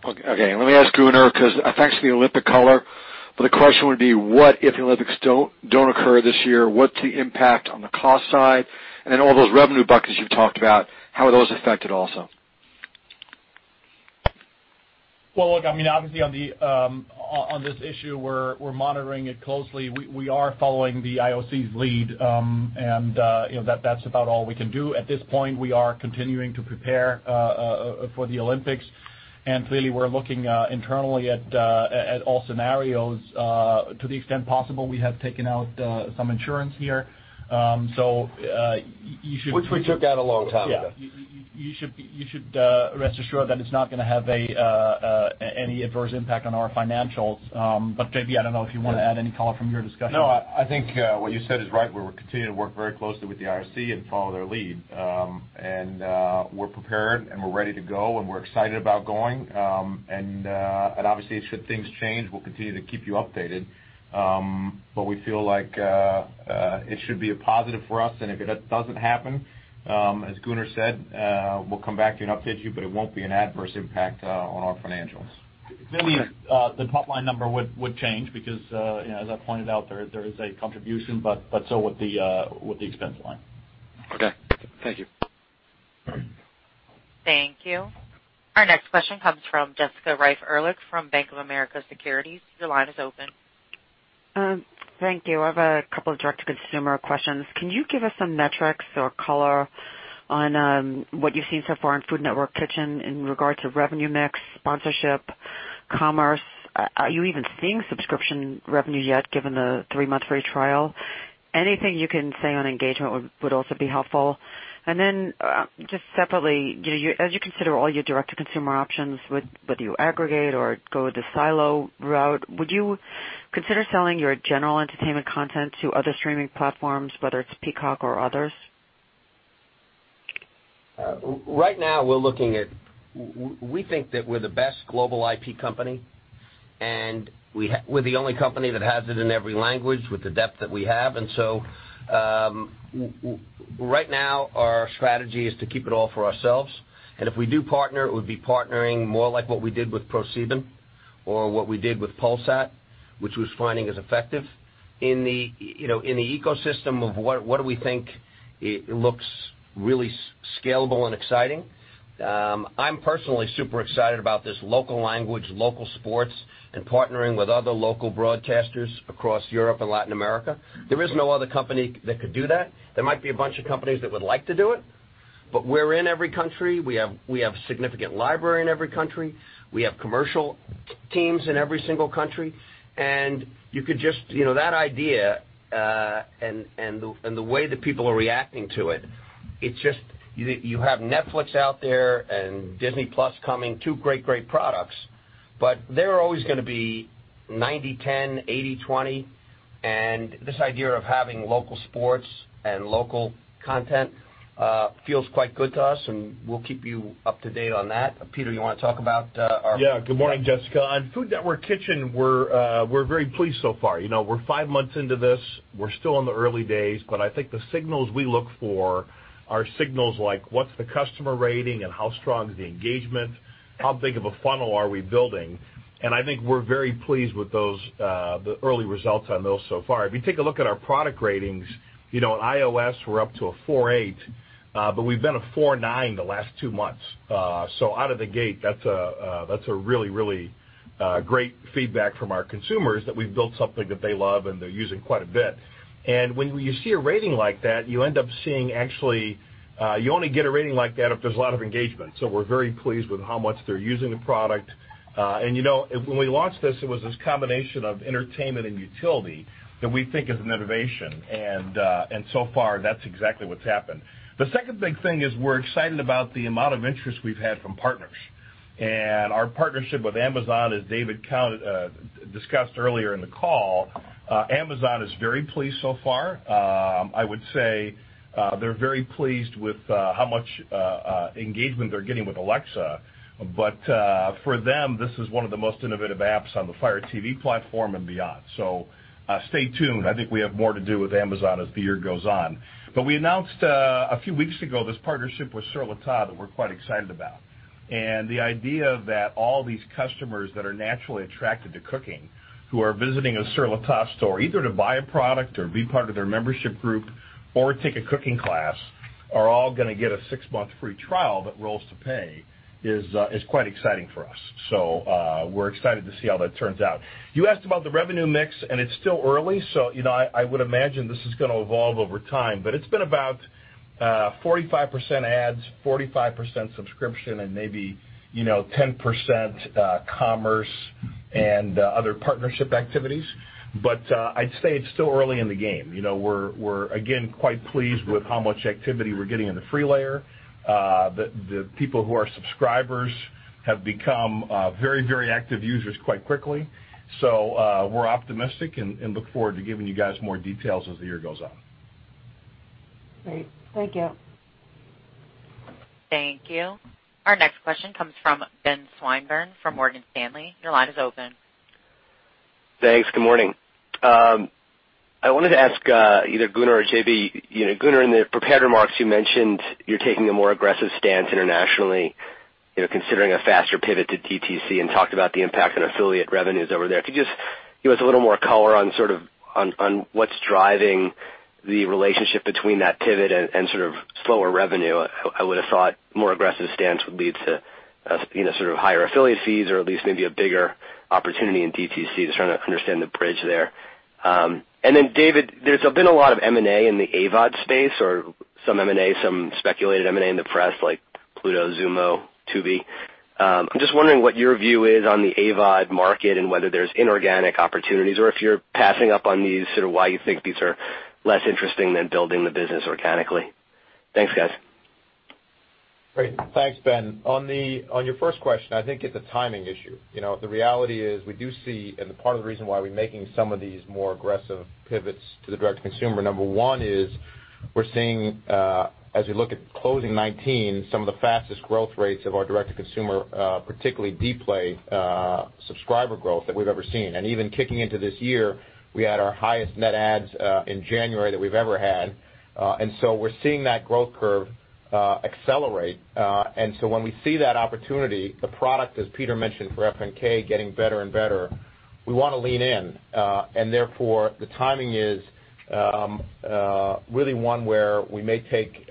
Okay. Let me ask Gunnar because effectively Olympic color. The question would be what if the Olympics don't occur this year? What's the impact on the cost side and then all those revenue buckets you've talked about, how are those affected also? Well, look, obviously on this issue, we're monitoring it closely. We are following the IOC's lead. That's about all we can do. At this point, we are continuing to prepare for the Olympics. Clearly, we're looking internally at all scenarios. To the extent possible, we have taken out some insurance here... Which we took out a long time ago. ...Yeah. You should rest assured that it's not going to have any adverse impact on our financials. JB, I don't know if you want to add any color from your discussion. No, I think what you said is right. We're continuing to work very closely with the IOC and follow their lead. We're prepared, and we're ready to go, and we're excited about going. Obviously, should things change, we'll continue to keep you updated. We feel like it should be a positive for us. If that doesn't happen, as Gunnar said, we'll come back to you and update you, but it won't be an adverse impact on our financials. Clearly, the top-line number would change because, as I pointed out, there is a contribution, but so would the expense line. Okay. Thank you. Thank you. Our next question comes from Jessica Reif Ehrlich from Bank of America Securities. Your line is open. Thank you. I have a couple of direct consumer questions. Can you give us some metrics or color on what you've seen so far in Food Network Kitchen in regards of revenue mix, sponsorship, commerce? Are you even seeing subscription revenue yet given the three-month free trial? Anything you can say on engagement would also be helpful. Then, just separately, as you consider all your direct to consumer options, whether you aggregate or go the silo route, would you consider selling your general entertainment content to other streaming platforms, whether it's Peacock or others? Right now, we think that we're the best global IP company, and we're the only company that has it in every language with the depth that we have. Right now our strategy is to keep it all for ourselves. If we do partner, it would be partnering more like what we did with ProSieben or what we did with Polsat, which was finding as effective. In the ecosystem of what do we think looks really scalable and exciting, I'm personally super excited about this local language, local sports, and partnering with other local broadcasters across Europe and Latin America. There is no other company that could do that. There might be a bunch of companies that would like to do it, but we're in every country. We have significant library in every country. We have commercial teams in every single country. That idea, and the way that people are reacting to it, you have Netflix out there and Disney+ coming. Two great products, they're always going to be 90/10, 80/20. This idea of having local sports and local content feels quite good to us, and we'll keep you up to date on that. Peter, you want to talk about our... Yeah. GOod morning, Jessica. On Food Network Kitchen, we're very pleased so far. We're five months into this. We're still in the early days. I think the signals we look for are signals like what's the customer rating and how strong is the engagement? How big of a funnel are we building? I think we're very pleased with the early results on those so far. If you take a look at our product ratings, on iOS, we're up to a 4.8. We've been a 4.9 the last two months. Out of the gate, that's a really great feedback from our consumers that we've built something that they love and they're using quite a bit. When you see a rating like that, you only get a rating like that if there's a lot of engagement. We're very pleased with how much they're using the product. When we launched this, it was this combination of entertainment and utility that we think is an innovation. So far, that's exactly what's happened. The second big thing is we're excited about the amount of interest we've had from partners. Our partnership with Amazon, as David discussed earlier in the call, Amazon is very pleased so far. I would say they're very pleased with how much engagement they're getting with Alexa. For them, this is one of the most innovative apps on the Fire TV platform and beyond. Stay tuned. I think we have more to do with Amazon as the year goes on. We announced a few weeks ago, this partnership with Sur La Table that we're quite excited about. The idea that all these customers that are naturally attracted to cooking, who are visiting a Sur La Table store, either to buy a product or be part of their membership group or take a cooking class, are all going to get a six-month free trial that rolls to pay is quite exciting for us. We're excited to see how that turns out. You asked about the revenue mix, and it's still early. I would imagine this is going to evolve over time, but it's been about 45% ads, 45% subscription, and maybe 10% commerce and other partnership activities. I'd say it's still early in the game. We're again, quite pleased with how much activity we're getting in the free layer. The people who are subscribers have become very active users quite quickly. We're optimistic and look forward to giving you guys more details as the year goes on. Great. Thank you. Thank you. Our next question comes from Ben Swinburne from Morgan Stanley. Your line is open. Thanks. GOod morning. I wanted to ask either Gunnar or JB. Gunnar, in the prepared remarks, you mentioned you're taking a more aggressive stance internationally, considering a faster pivot to DTC, and talked about the impact on affiliate revenues over there. Could you give us a little more color on what's driving the relationship between that pivot and sort of slower revenue? I would have thought more aggressive stance would lead to sort of higher affiliate fees or at least maybe a bigger opportunity in DTC. Just trying to understand the bridge there. David, there's been a lot of M&A in the AVOD space, or some M&A, some speculated M&A in the press like Pluto, Xumo, Tubi. I'm just wondering what your view is on the AVOD market and whether there's inorganic opportunities, or if you're passing up on these, sort of why you think these are less interesting than building the business organically. Thanks, guys. Great. Thanks, Ben. On your first question, I think it's a timing issue. The reality is we do see, and the part of the reason why we're making some of these more aggressive pivots to the direct consumer, number one is- we're seeing, as we look at closing 2019, some of the fastest growth rates of our direct-to-consumer, particularly Dplay subscriber growth that we've ever seen. Even kicking into this year, we had our highest net adds in January that we've ever had. We're seeing that growth curve accelerate. When we see that opportunity, the product, as Peter mentioned, for F&K getting better and better, we want to lean in. Therefore, the timing is really one where we may take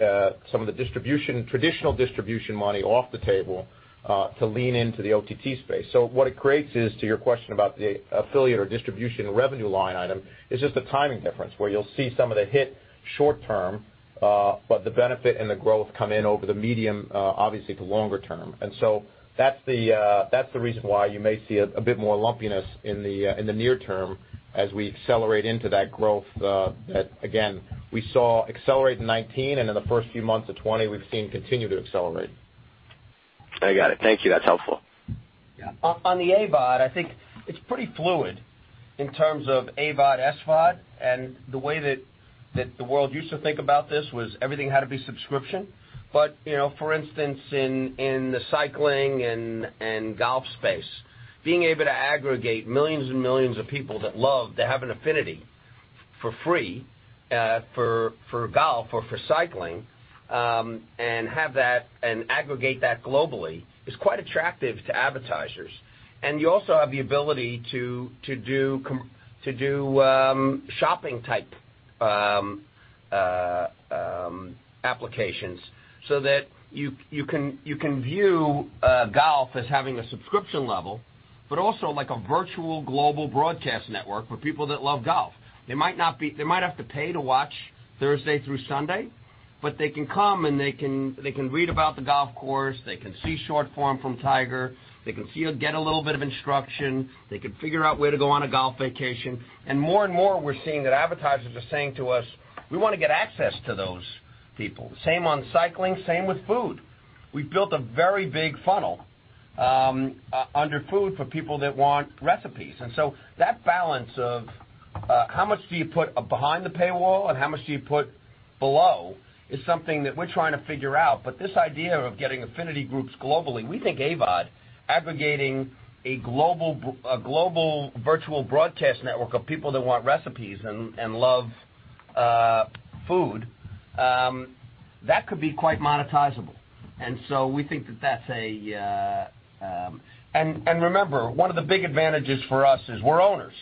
some of the traditional distribution money off the table, to lean into the OTT space. What it creates is, to your question about the affiliate or distribution revenue line item, is just a timing difference where you'll see some of the hit short term, but the benefit and the growth come in over the medium, obviously, to longer term. That's the reason why you may see a bit more lumpiness in the near term as we accelerate into that growth that, again, we saw accelerate in 2019 and in the first few months of 2020, we've seen continue to accelerate. I got it. Thank you. That's helpful. Yeah. On the AVOD, I think it's pretty fluid in terms of AVOD-SVOD, and the way that the world used to think about this was everything had to be subscription. For instance, in the cycling and golf space, being able to aggregate millions and millions of people that love, that have an affinity for free, for golf or for cycling, and aggregate that globally is quite attractive to advertisers. You also have the ability to do shopping-type applications so that you can view golf as having a subscription level, but also like a virtual global broadcast network for people that love golf. They might have to pay to watch Thursday through Sunday, but they can come and they can read about the golf course. They can see short form from Tiger. They can get a little bit of instruction. They could figure out where to go on a golf vacation. More and more, we're seeing that advertisers are saying to us, we want to get access to those people. Same on cycling, same with food. We've built a very big funnel under food for people that want recipes. That balance of how much do you put behind the paywall and how much do you put below is something that we're trying to figure out. This idea of getting affinity groups globally, we think AVOD aggregating a global virtual broadcast network of people that want recipes and love food, that could be quite monetizable. Remember, one of the big advantages for us is we're owners.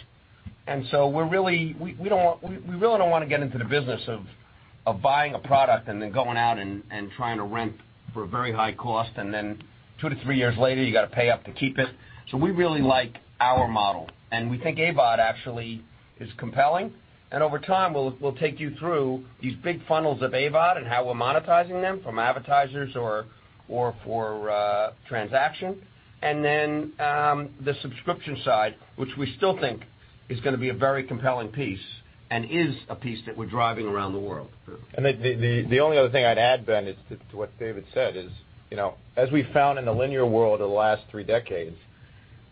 We really don't want to get into the business of buying a product and then going out and trying to rent for a very high cost and then two to three years later, you got to pay up to keep it. We really like our model, and we think AVOD actually is compelling. Over time, we'll take you through these big funnels of AVOD and how we're monetizing them from advertisers or for transaction. Then the subscription side, which we still think is going to be a very compelling piece and is a piece that we're driving around the world. The only other thing I'd add, Ben, to what David said is, as we found in the linear world over the last three decades,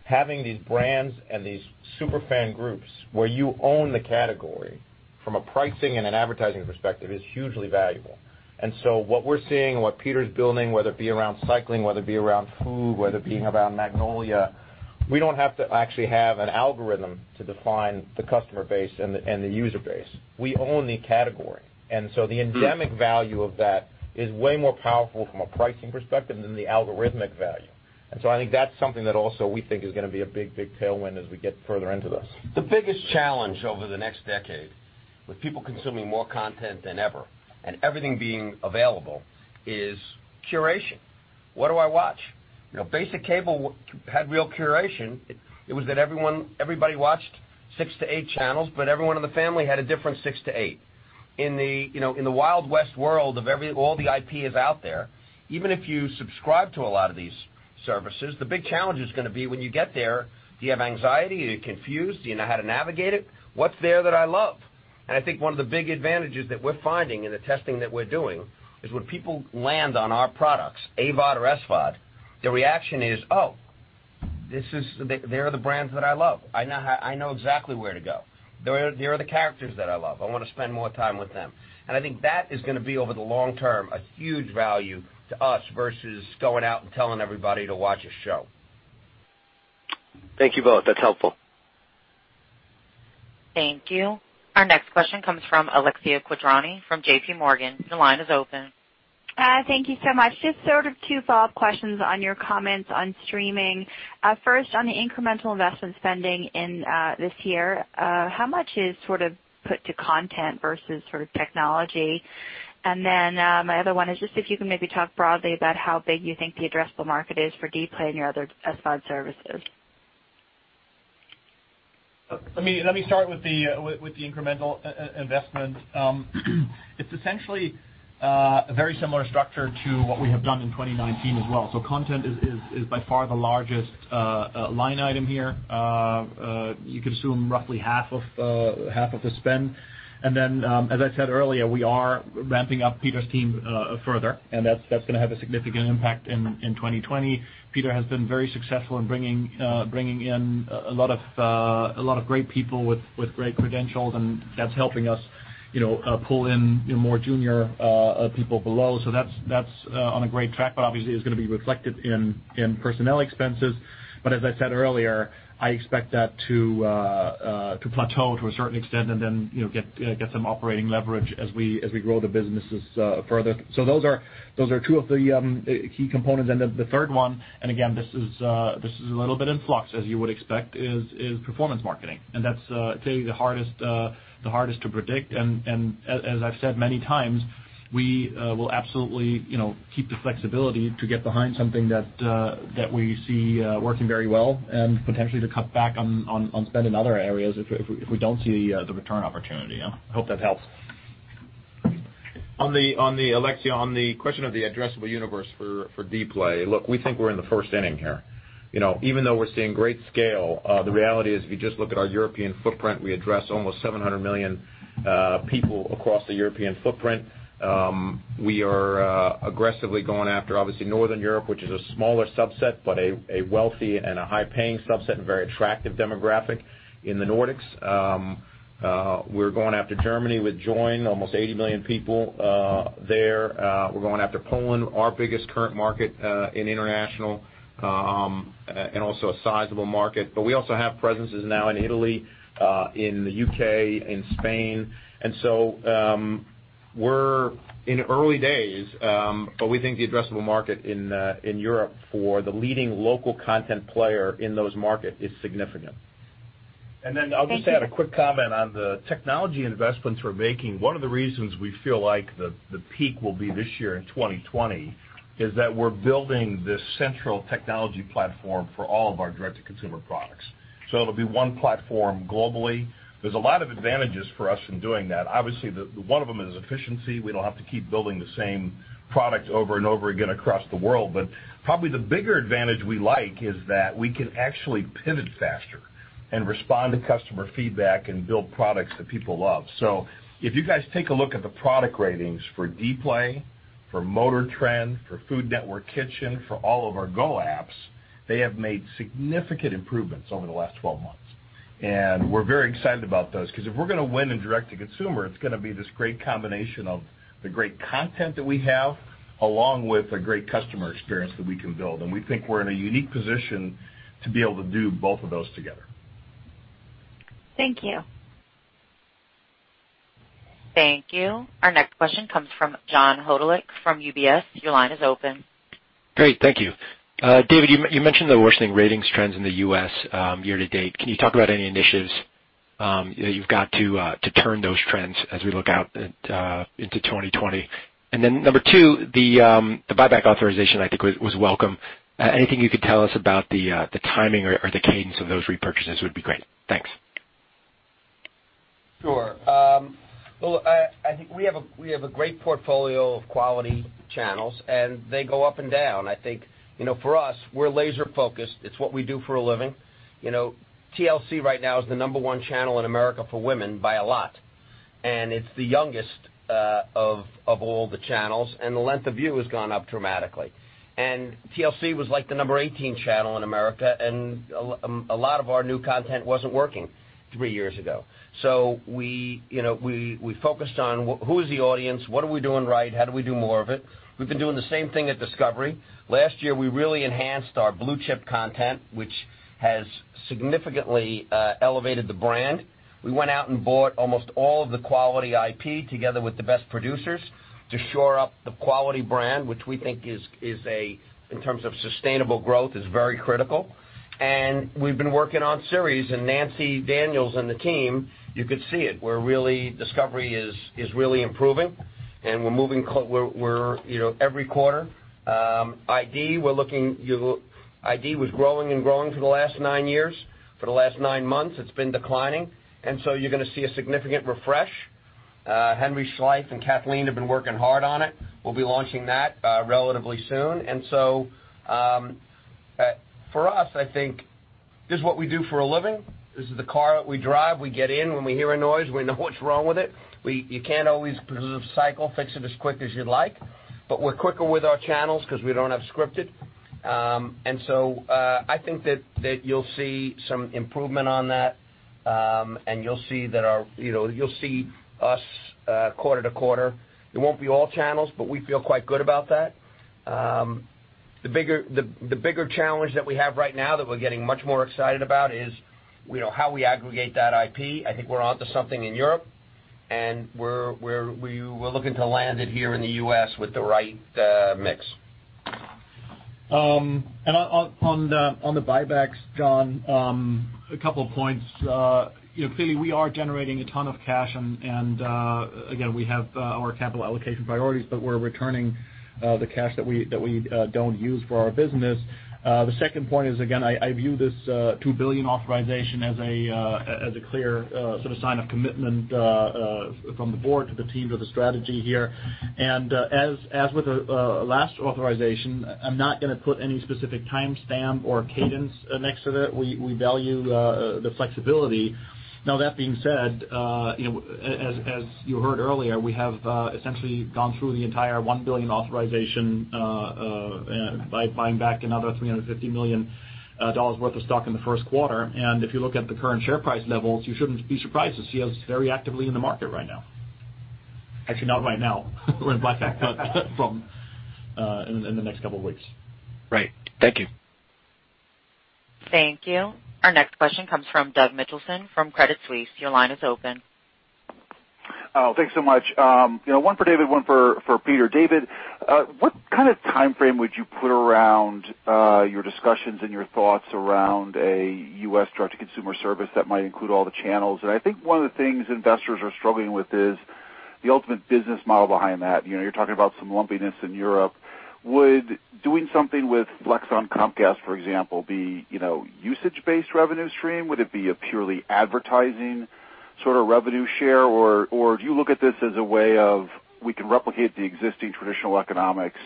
having these brands and these super fan groups where you own the category from a pricing and an advertising perspective is hugely valuable. What we're seeing and what Peter's building, whether it be around cycling, whether it be around food, whether it being around Magnolia, we don't have to actually have an algorithm to define the customer base and the user base. We own the category. The endemic value of that is way more powerful from a pricing perspective than the algorithmic value. I think that's something that also we think is going to be a big, big tailwind as we get further into this. The biggest challenge over the next decade, with people consuming more content than ever and everything being available, is curation. What do I watch? Basic cable had real curation. It was that everybody watched six to eight channels, but everyone in the family had a different six to eight. In the Wild West world of all the IP is out there, even if you subscribe to a lot of these services, the big challenge is going to be when you get there, do you have anxiety? Are you confused? Do you know how to navigate it? What's there that I love? I think one of the big advantages that we're finding in the testing that we're doing is when people land on our products, AVOD or SVOD, their reaction is, "Oh, they're the brands that I love. I know exactly where to go- they are the characters that I love. I want to spend more time with them." I think that is going to be, over the long term, a huge value to us versus going out and telling everybody to watch a show. Thank you both. That's helpful. Thank you. Our next question comes from Alexia Quadrani from JPMorgan. Your line is open. Thank you so much. Just sort of two follow-up questions on your comments on streaming. First, on the incremental investment spending in this year, how much is sort of put to content versus sort of technology? My other one is just if you can maybe talk broadly about how big you think the addressable market is for Dplay and your other SVOD services. Let me start with the incremental investment. It's essentially a very similar structure to what we have done in 2019 as well. Content is by far the largest line item here. You consume roughly half of the spend. As I said earlier, we are ramping up Peter's team further, and that's going to have a significant impact in 2020. Peter has been very successful in bringing in a lot of great people with great credentials, and that's helping us pull in more junior people below. That's on a great track, but obviously is going to be reflected in personnel expenses. As I said earlier, I expect that to plateau to a certain extent and then get some operating leverage as we grow the businesses further. Those are two of the key components. The third one, again, this is a little bit in flux, as you would expect, is performance marketing. That's, I'd say, the hardest to predict. As I've said many times, we will absolutely keep the flexibility to get behind something that we see working very well and potentially to cut back on spend in other areas if we don't see the return opportunity. I hope that helps. Alexia, on the question of the addressable universe for Dplay. Look, we think we're in the first inning here. Even though we're seeing great scale, the reality is, if you just look at our European footprint, we address almost 700 million people across the European footprint. We are aggressively going after, obviously, Northern Europe, which is a smaller subset, but a wealthy and a high-paying subset, and a very attractive demographic in the Nordics. We're going after Germany with Joyn, almost 80 million people there. We're going after Poland, our biggest current market in international, and also a sizable market. We also have presences now in Italy, in the U.K., in Spain. We're in early days, but we think the addressable market in Europe for the leading local content player in those markets is significant. I'll just add... Thank you. ...a quick comment on the technology investments we're making. One of the reasons we feel like the peak will be this year in 2020 is that we're building this central technology platform for all of our direct-to-consumer products. It'll be one platform globally. There's a lot of advantages for us in doing that. Obviously, one of them is efficiency. We don't have to keep building the same product over and over again across the world. Probably the bigger advantage we like is that we can actually pivot faster and respond to customer feedback and build products that people love. If you guys take a look at the product ratings for Dplay, for MotorTrend, for Food Network Kitchen, for all of our GO apps, they have made significant improvements over the last 12 months. We're very excited about those, because if we're going to win in direct-to-consumer, it's going to be this great combination of the great content that we have, along with a great customer experience that we can build. We think we're in a unique position to be able to do both of those together. Thank you. Thank you. Our next question comes from John Hodulik from UBS. Your line is open. Great. Thank you. David, you mentioned the worsening ratings trends in the U.S. year-to-date. Can you talk about any initiatives that you've got to turn those trends as we look out into 2020? Number two, the buyback authorization, I think, was welcome. Anything you could tell us about the timing or the cadence of those repurchases would be great. Thanks. Sure. Well, I think we have a great portfolio of quality channels, and they go up and down. I think, for us, we're laser-focused. It's what we do for a living. TLC right now is the number 1 channel in America for women by a lot. It's the youngest of all the channels, and the length of view has gone up dramatically. TLC was like the number 18 channel in America, and a lot of our new content wasn't working three years ago. So, we focused on who is the audience? What are we doing right? How do we do more of it? We've been doing the same thing at Discovery. Last year, we really enhanced our blue-chip content, which has significantly elevated the brand. We went out and bought almost all of the quality IP together with the best producers to shore up the quality brand, which we think, in terms of sustainable growth, is very critical. We've been working on series, Nancy Daniels and the team, you could see it. Discovery is really improving every quarter. ID was growing for the last nine years. For the last nine months, it's been declining, you're going to see a significant refresh. Henry Schleiff and Kathleen have been working hard on it. We'll be launching that relatively soon. For us, I think this is what we do for a living. This is the car that we drive. We get in. When we hear a noise, we know what's wrong with it. You can't always, because of cycle, fix it as quick as you'd like. We're quicker with our channels because we don't have scripted. I think that you'll see some improvement on that, and you'll see us quarter to quarter. It won't be all channels, but we feel quite good about that. The bigger challenge that we have right now that we're getting much more excited about is how we aggregate that IP. I think we're onto something in Europe, and we're looking to land it here in the U.S. with the right mix. On the buybacks, John, a couple of points. Clearly, we are generating a ton of cash, and again, we have our capital allocation priorities, but we're returning the cash that we don't use for our business. The second point is, again, I view this $2 billion authorization as a clear sort of sign of commitment from the board to the team to the strategy here. As with the last authorization, I'm not going to put any specific timestamp or cadence next to that. We value the flexibility. That being said, as you heard earlier, we have essentially gone through the entire $1 billion authorization by buying back another $350 million worth of stock in the first quarter. If you look at the current share price levels, you shouldn't be surprised to see us very actively in the market right now. Actually, not right now. We're in blackout in the next couple of weeks. Right. Thank you. Thank you. Our next question comes from Doug Mitchelson from Credit Suisse. Your line is open. Oh, thanks so much. One for David, one for Peter. David, what kind of timeframe would you put around your discussions and your thoughts around a U.S. direct-to-consumer service that might include all the channels? I think one of the things investors are struggling with is the ultimate business model behind that- you're talking about some lumpiness in Europe. Would doing something with Flex on Comcast, for example, be usage-based revenue stream? Would it be a purely advertising sort of revenue share? Do you look at this as a way of, we can replicate the existing traditional economics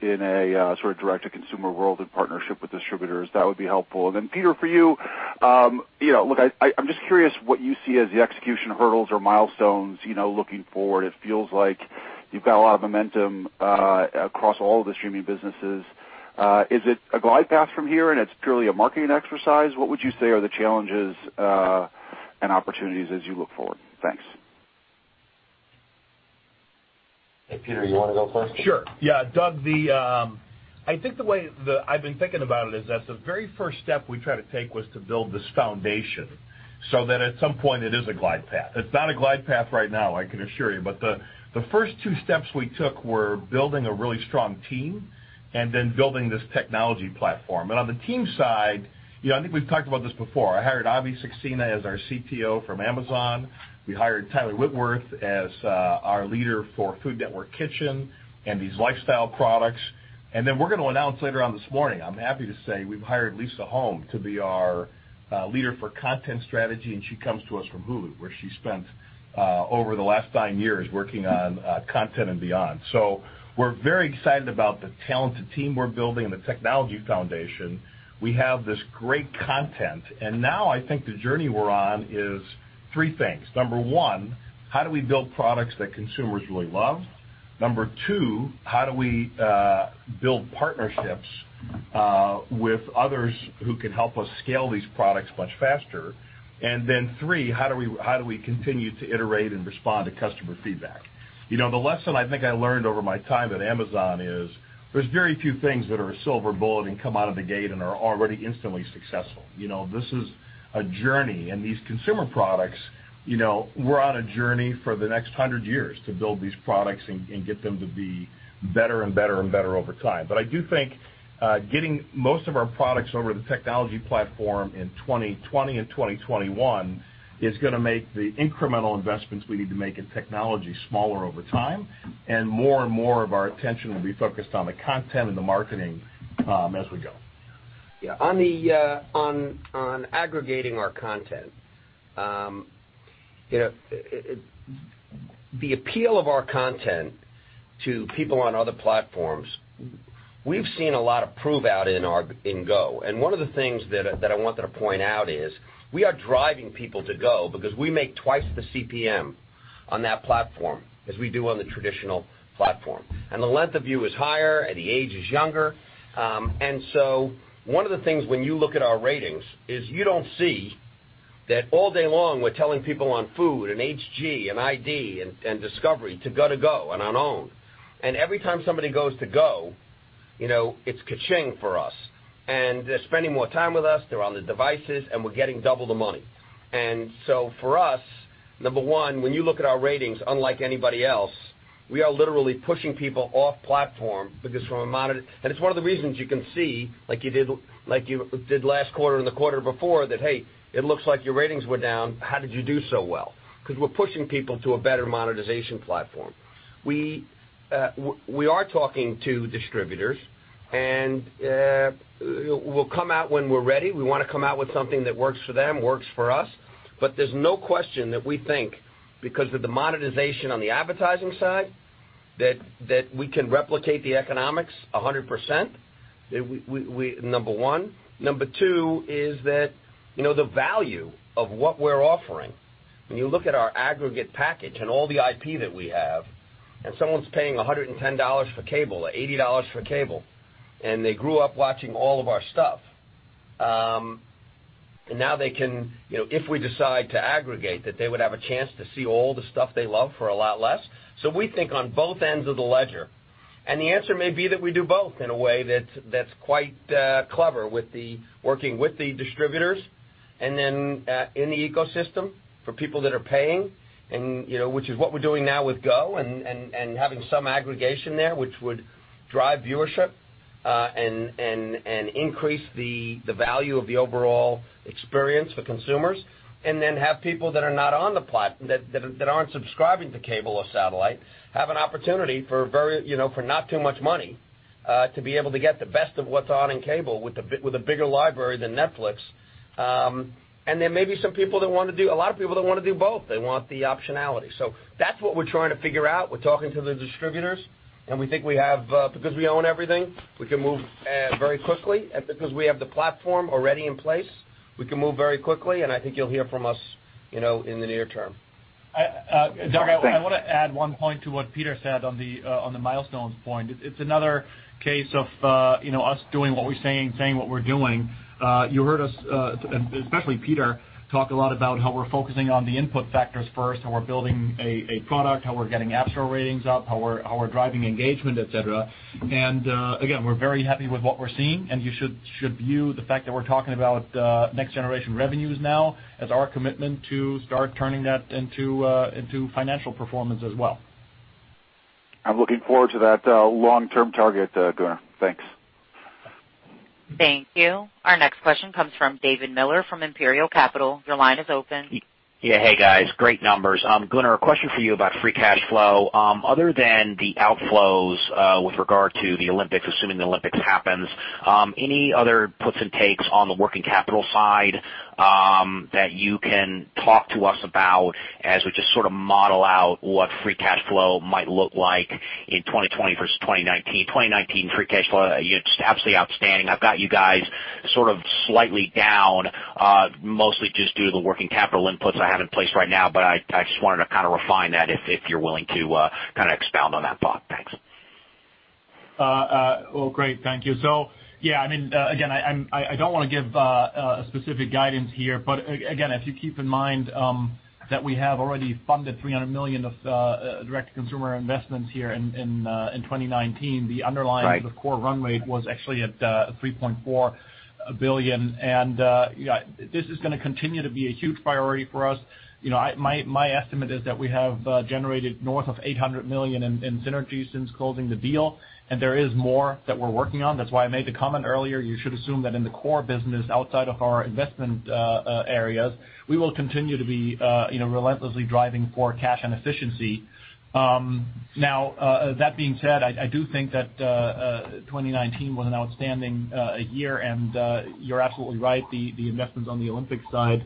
in a sort of direct-to-consumer world in partnership with distributors? That would be helpful. Peter, for you, look, I'm just curious what you see as the execution hurdles or milestones looking forward- it feels like you've got a lot of momentum across all of the streaming businesses. Is it a glide path from here, and it's purely a marketing exercise? What would you say are the challenges and opportunities as you look forward? Thanks. Hey, Peter, you want to go first? Sure. Yeah. Doug, I think the way that I've been thinking about it is that the very first step we tried to take was to build this foundation so that at some point it is a glide path. It's not a glide path right now, I can assure you. The first two steps we took were building a really strong team and then building this technology platform. On the team side, I think we've talked about this before. I hired Avi Saxena as our CTO from Amazon. We hired Tyler Whitworth as our leader for Food Network Kitchen and these lifestyle products. Then we're going to announce later on this morning, I'm happy to say, we've hired Lisa Holme to be our leader for content strategy, and she comes to us from Hulu, where she spent over the last nine years working on content and beyond. We're very excited about the talented team we're building and the technology foundation. We have this great content, now I think the journey we're on is three things. Number one, how do we build products that consumers really love? Number two, how do we build partnerships with others who can help us scale these products much faster? Number three, how do we continue to iterate and respond to customer feedback? The lesson I think I learned over my time at Amazon is there's very few things that are a silver bullet and come out of the gate and are already instantly successful. This is a journey, and these consumer products, we're on a journey for the next 100 years to build these products and get them to be better and better and better over time. I do think getting most of our products over the technology platform in 2020 and 2021 is going to make the incremental investments we need to make in technology smaller over time, and more and more of our attention will be focused on the content and the marketing as we go. Yeah. On aggregating our content. The appeal of our content to people on other platforms, we've seen a lot of prove out in GO. One of the things that I wanted to point out is we are driving people to GO because we make twice the CPM on that platform as we do on the traditional platform. The length of view is higher, and the age is younger. One of the things when you look at our ratings is you don't see that all day long, we're telling people on Food and HG and ID and Discovery to go to GO and on OWN. Every time somebody goes to GO, it's ka-ching for us. They're spending more time with us, they're on the devices, and we're getting double the money. For us, number one, when you look at our ratings, unlike anybody else, we are literally pushing people off platform because we're monetized. It's one of the reasons you can see, like you did last quarter and the quarter before that, hey, it looks like your ratings were down. How did you do so well? Because we're pushing people to a better monetization platform. We are talking to distributors, and we'll come out when we're ready. We want to come out with something that works for them, works for us. There's no question that we think because of the monetization on the advertising side, that we can replicate the economics 100%, number one. Number two is that the value of what we're offering, when you look at our aggregate package and all the IP that we have, someone's paying $110 for cable or $80 for cable, and they grew up watching all of our stuff. Now they can, if we decide to aggregate, that they would have a chance to see all the stuff they love for a lot less. We think on both ends of the ledger. The answer may be that we do both in a way that's quite clever with the working with the distributors and then in the ecosystem for people that are paying, which is what we're doing now with GO and having some aggregation there which would drive viewership and increase the value of the overall experience for consumers. Then have people that aren't subscribing to cable or satellite, have an opportunity for not too much money to be able to get the best of what's on in cable with a bigger library than Netflix. There may be a lot of people that want to do both. They want the optionality. That's what we're trying to figure out. We're talking to the distributors, and we think because we own everything, we can move very quickly. Because we have the platform already in place, we can move very quickly, and I think you'll hear from us in the near term. Doug, I want to add one point to what Peter said on the milestones point. It's another case of us doing what we're saying and saying what we're doing. You heard us, and especially Peter, talk a lot about how we're focusing on the input factors first, how we're building a product, how we're getting app store ratings up, how we're driving engagement, et cetera. Again, we're very happy with what we're seeing, and you should view the fact that we're talking about next generation revenues now as our commitment to start turning that into financial performance as well. I'm looking forward to that long-term target, Gunnar. Thanks. Thank you. Our next question comes from David Miller from Imperial Capital. Your line is open. Yeah. Hey, guys. Great numbers. Gunnar, a question for you about free cash flow. Other than the outflows with regard to the Olympics, assuming the Olympics happens, any other puts and takes on the working capital side that you can talk to us about as we just sort of model out what free cash flow might look like in 2020 versus 2019? 2019 free cash flow, just absolutely outstanding. I've got you guys sort of slightly down, mostly just due to the working capital inputs I have in place right now, but I just wanted to kind of refine that if you're willing to kind of expound on that thought? Thanks. Well, great. Thank you. Yeah. Again, I don't want to give a specific guidance here, but again, if you keep in mind that we have already funded $300 million of direct consumer investments here in 2019. The underlying core run rate was actually at $3.4 billion. This is going to continue to be a huge priority for us. My estimate is that we have generated north of $800 million in synergy since closing the deal. There is more that we're working on. That's why I made the comment earlier. You should assume that in the core business, outside of our investment areas, we will continue to be relentlessly driving for cash and efficiency. That being said, I do think that 2019 was an outstanding year. You're absolutely right, the investments on the Olympics side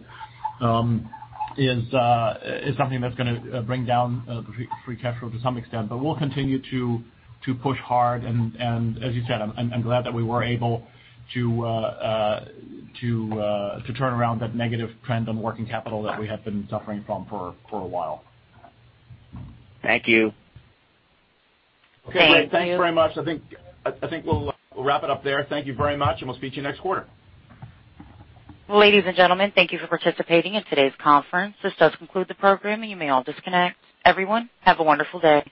is something that's going to bring down the free cash flow to some extent. We'll continue to push hard. As you said, I'm glad that we were able to turn around that negative trend on working capital that we have been suffering from for a while. Thank you. Thank you- Great. Thanks very much. I think we'll wrap it up there. Thank you very much, and we'll speak to you next quarter. Ladies and gentlemen, thank you for participating in today's conference. This does conclude the program. You may all disconnect. Everyone, have a wonderful day.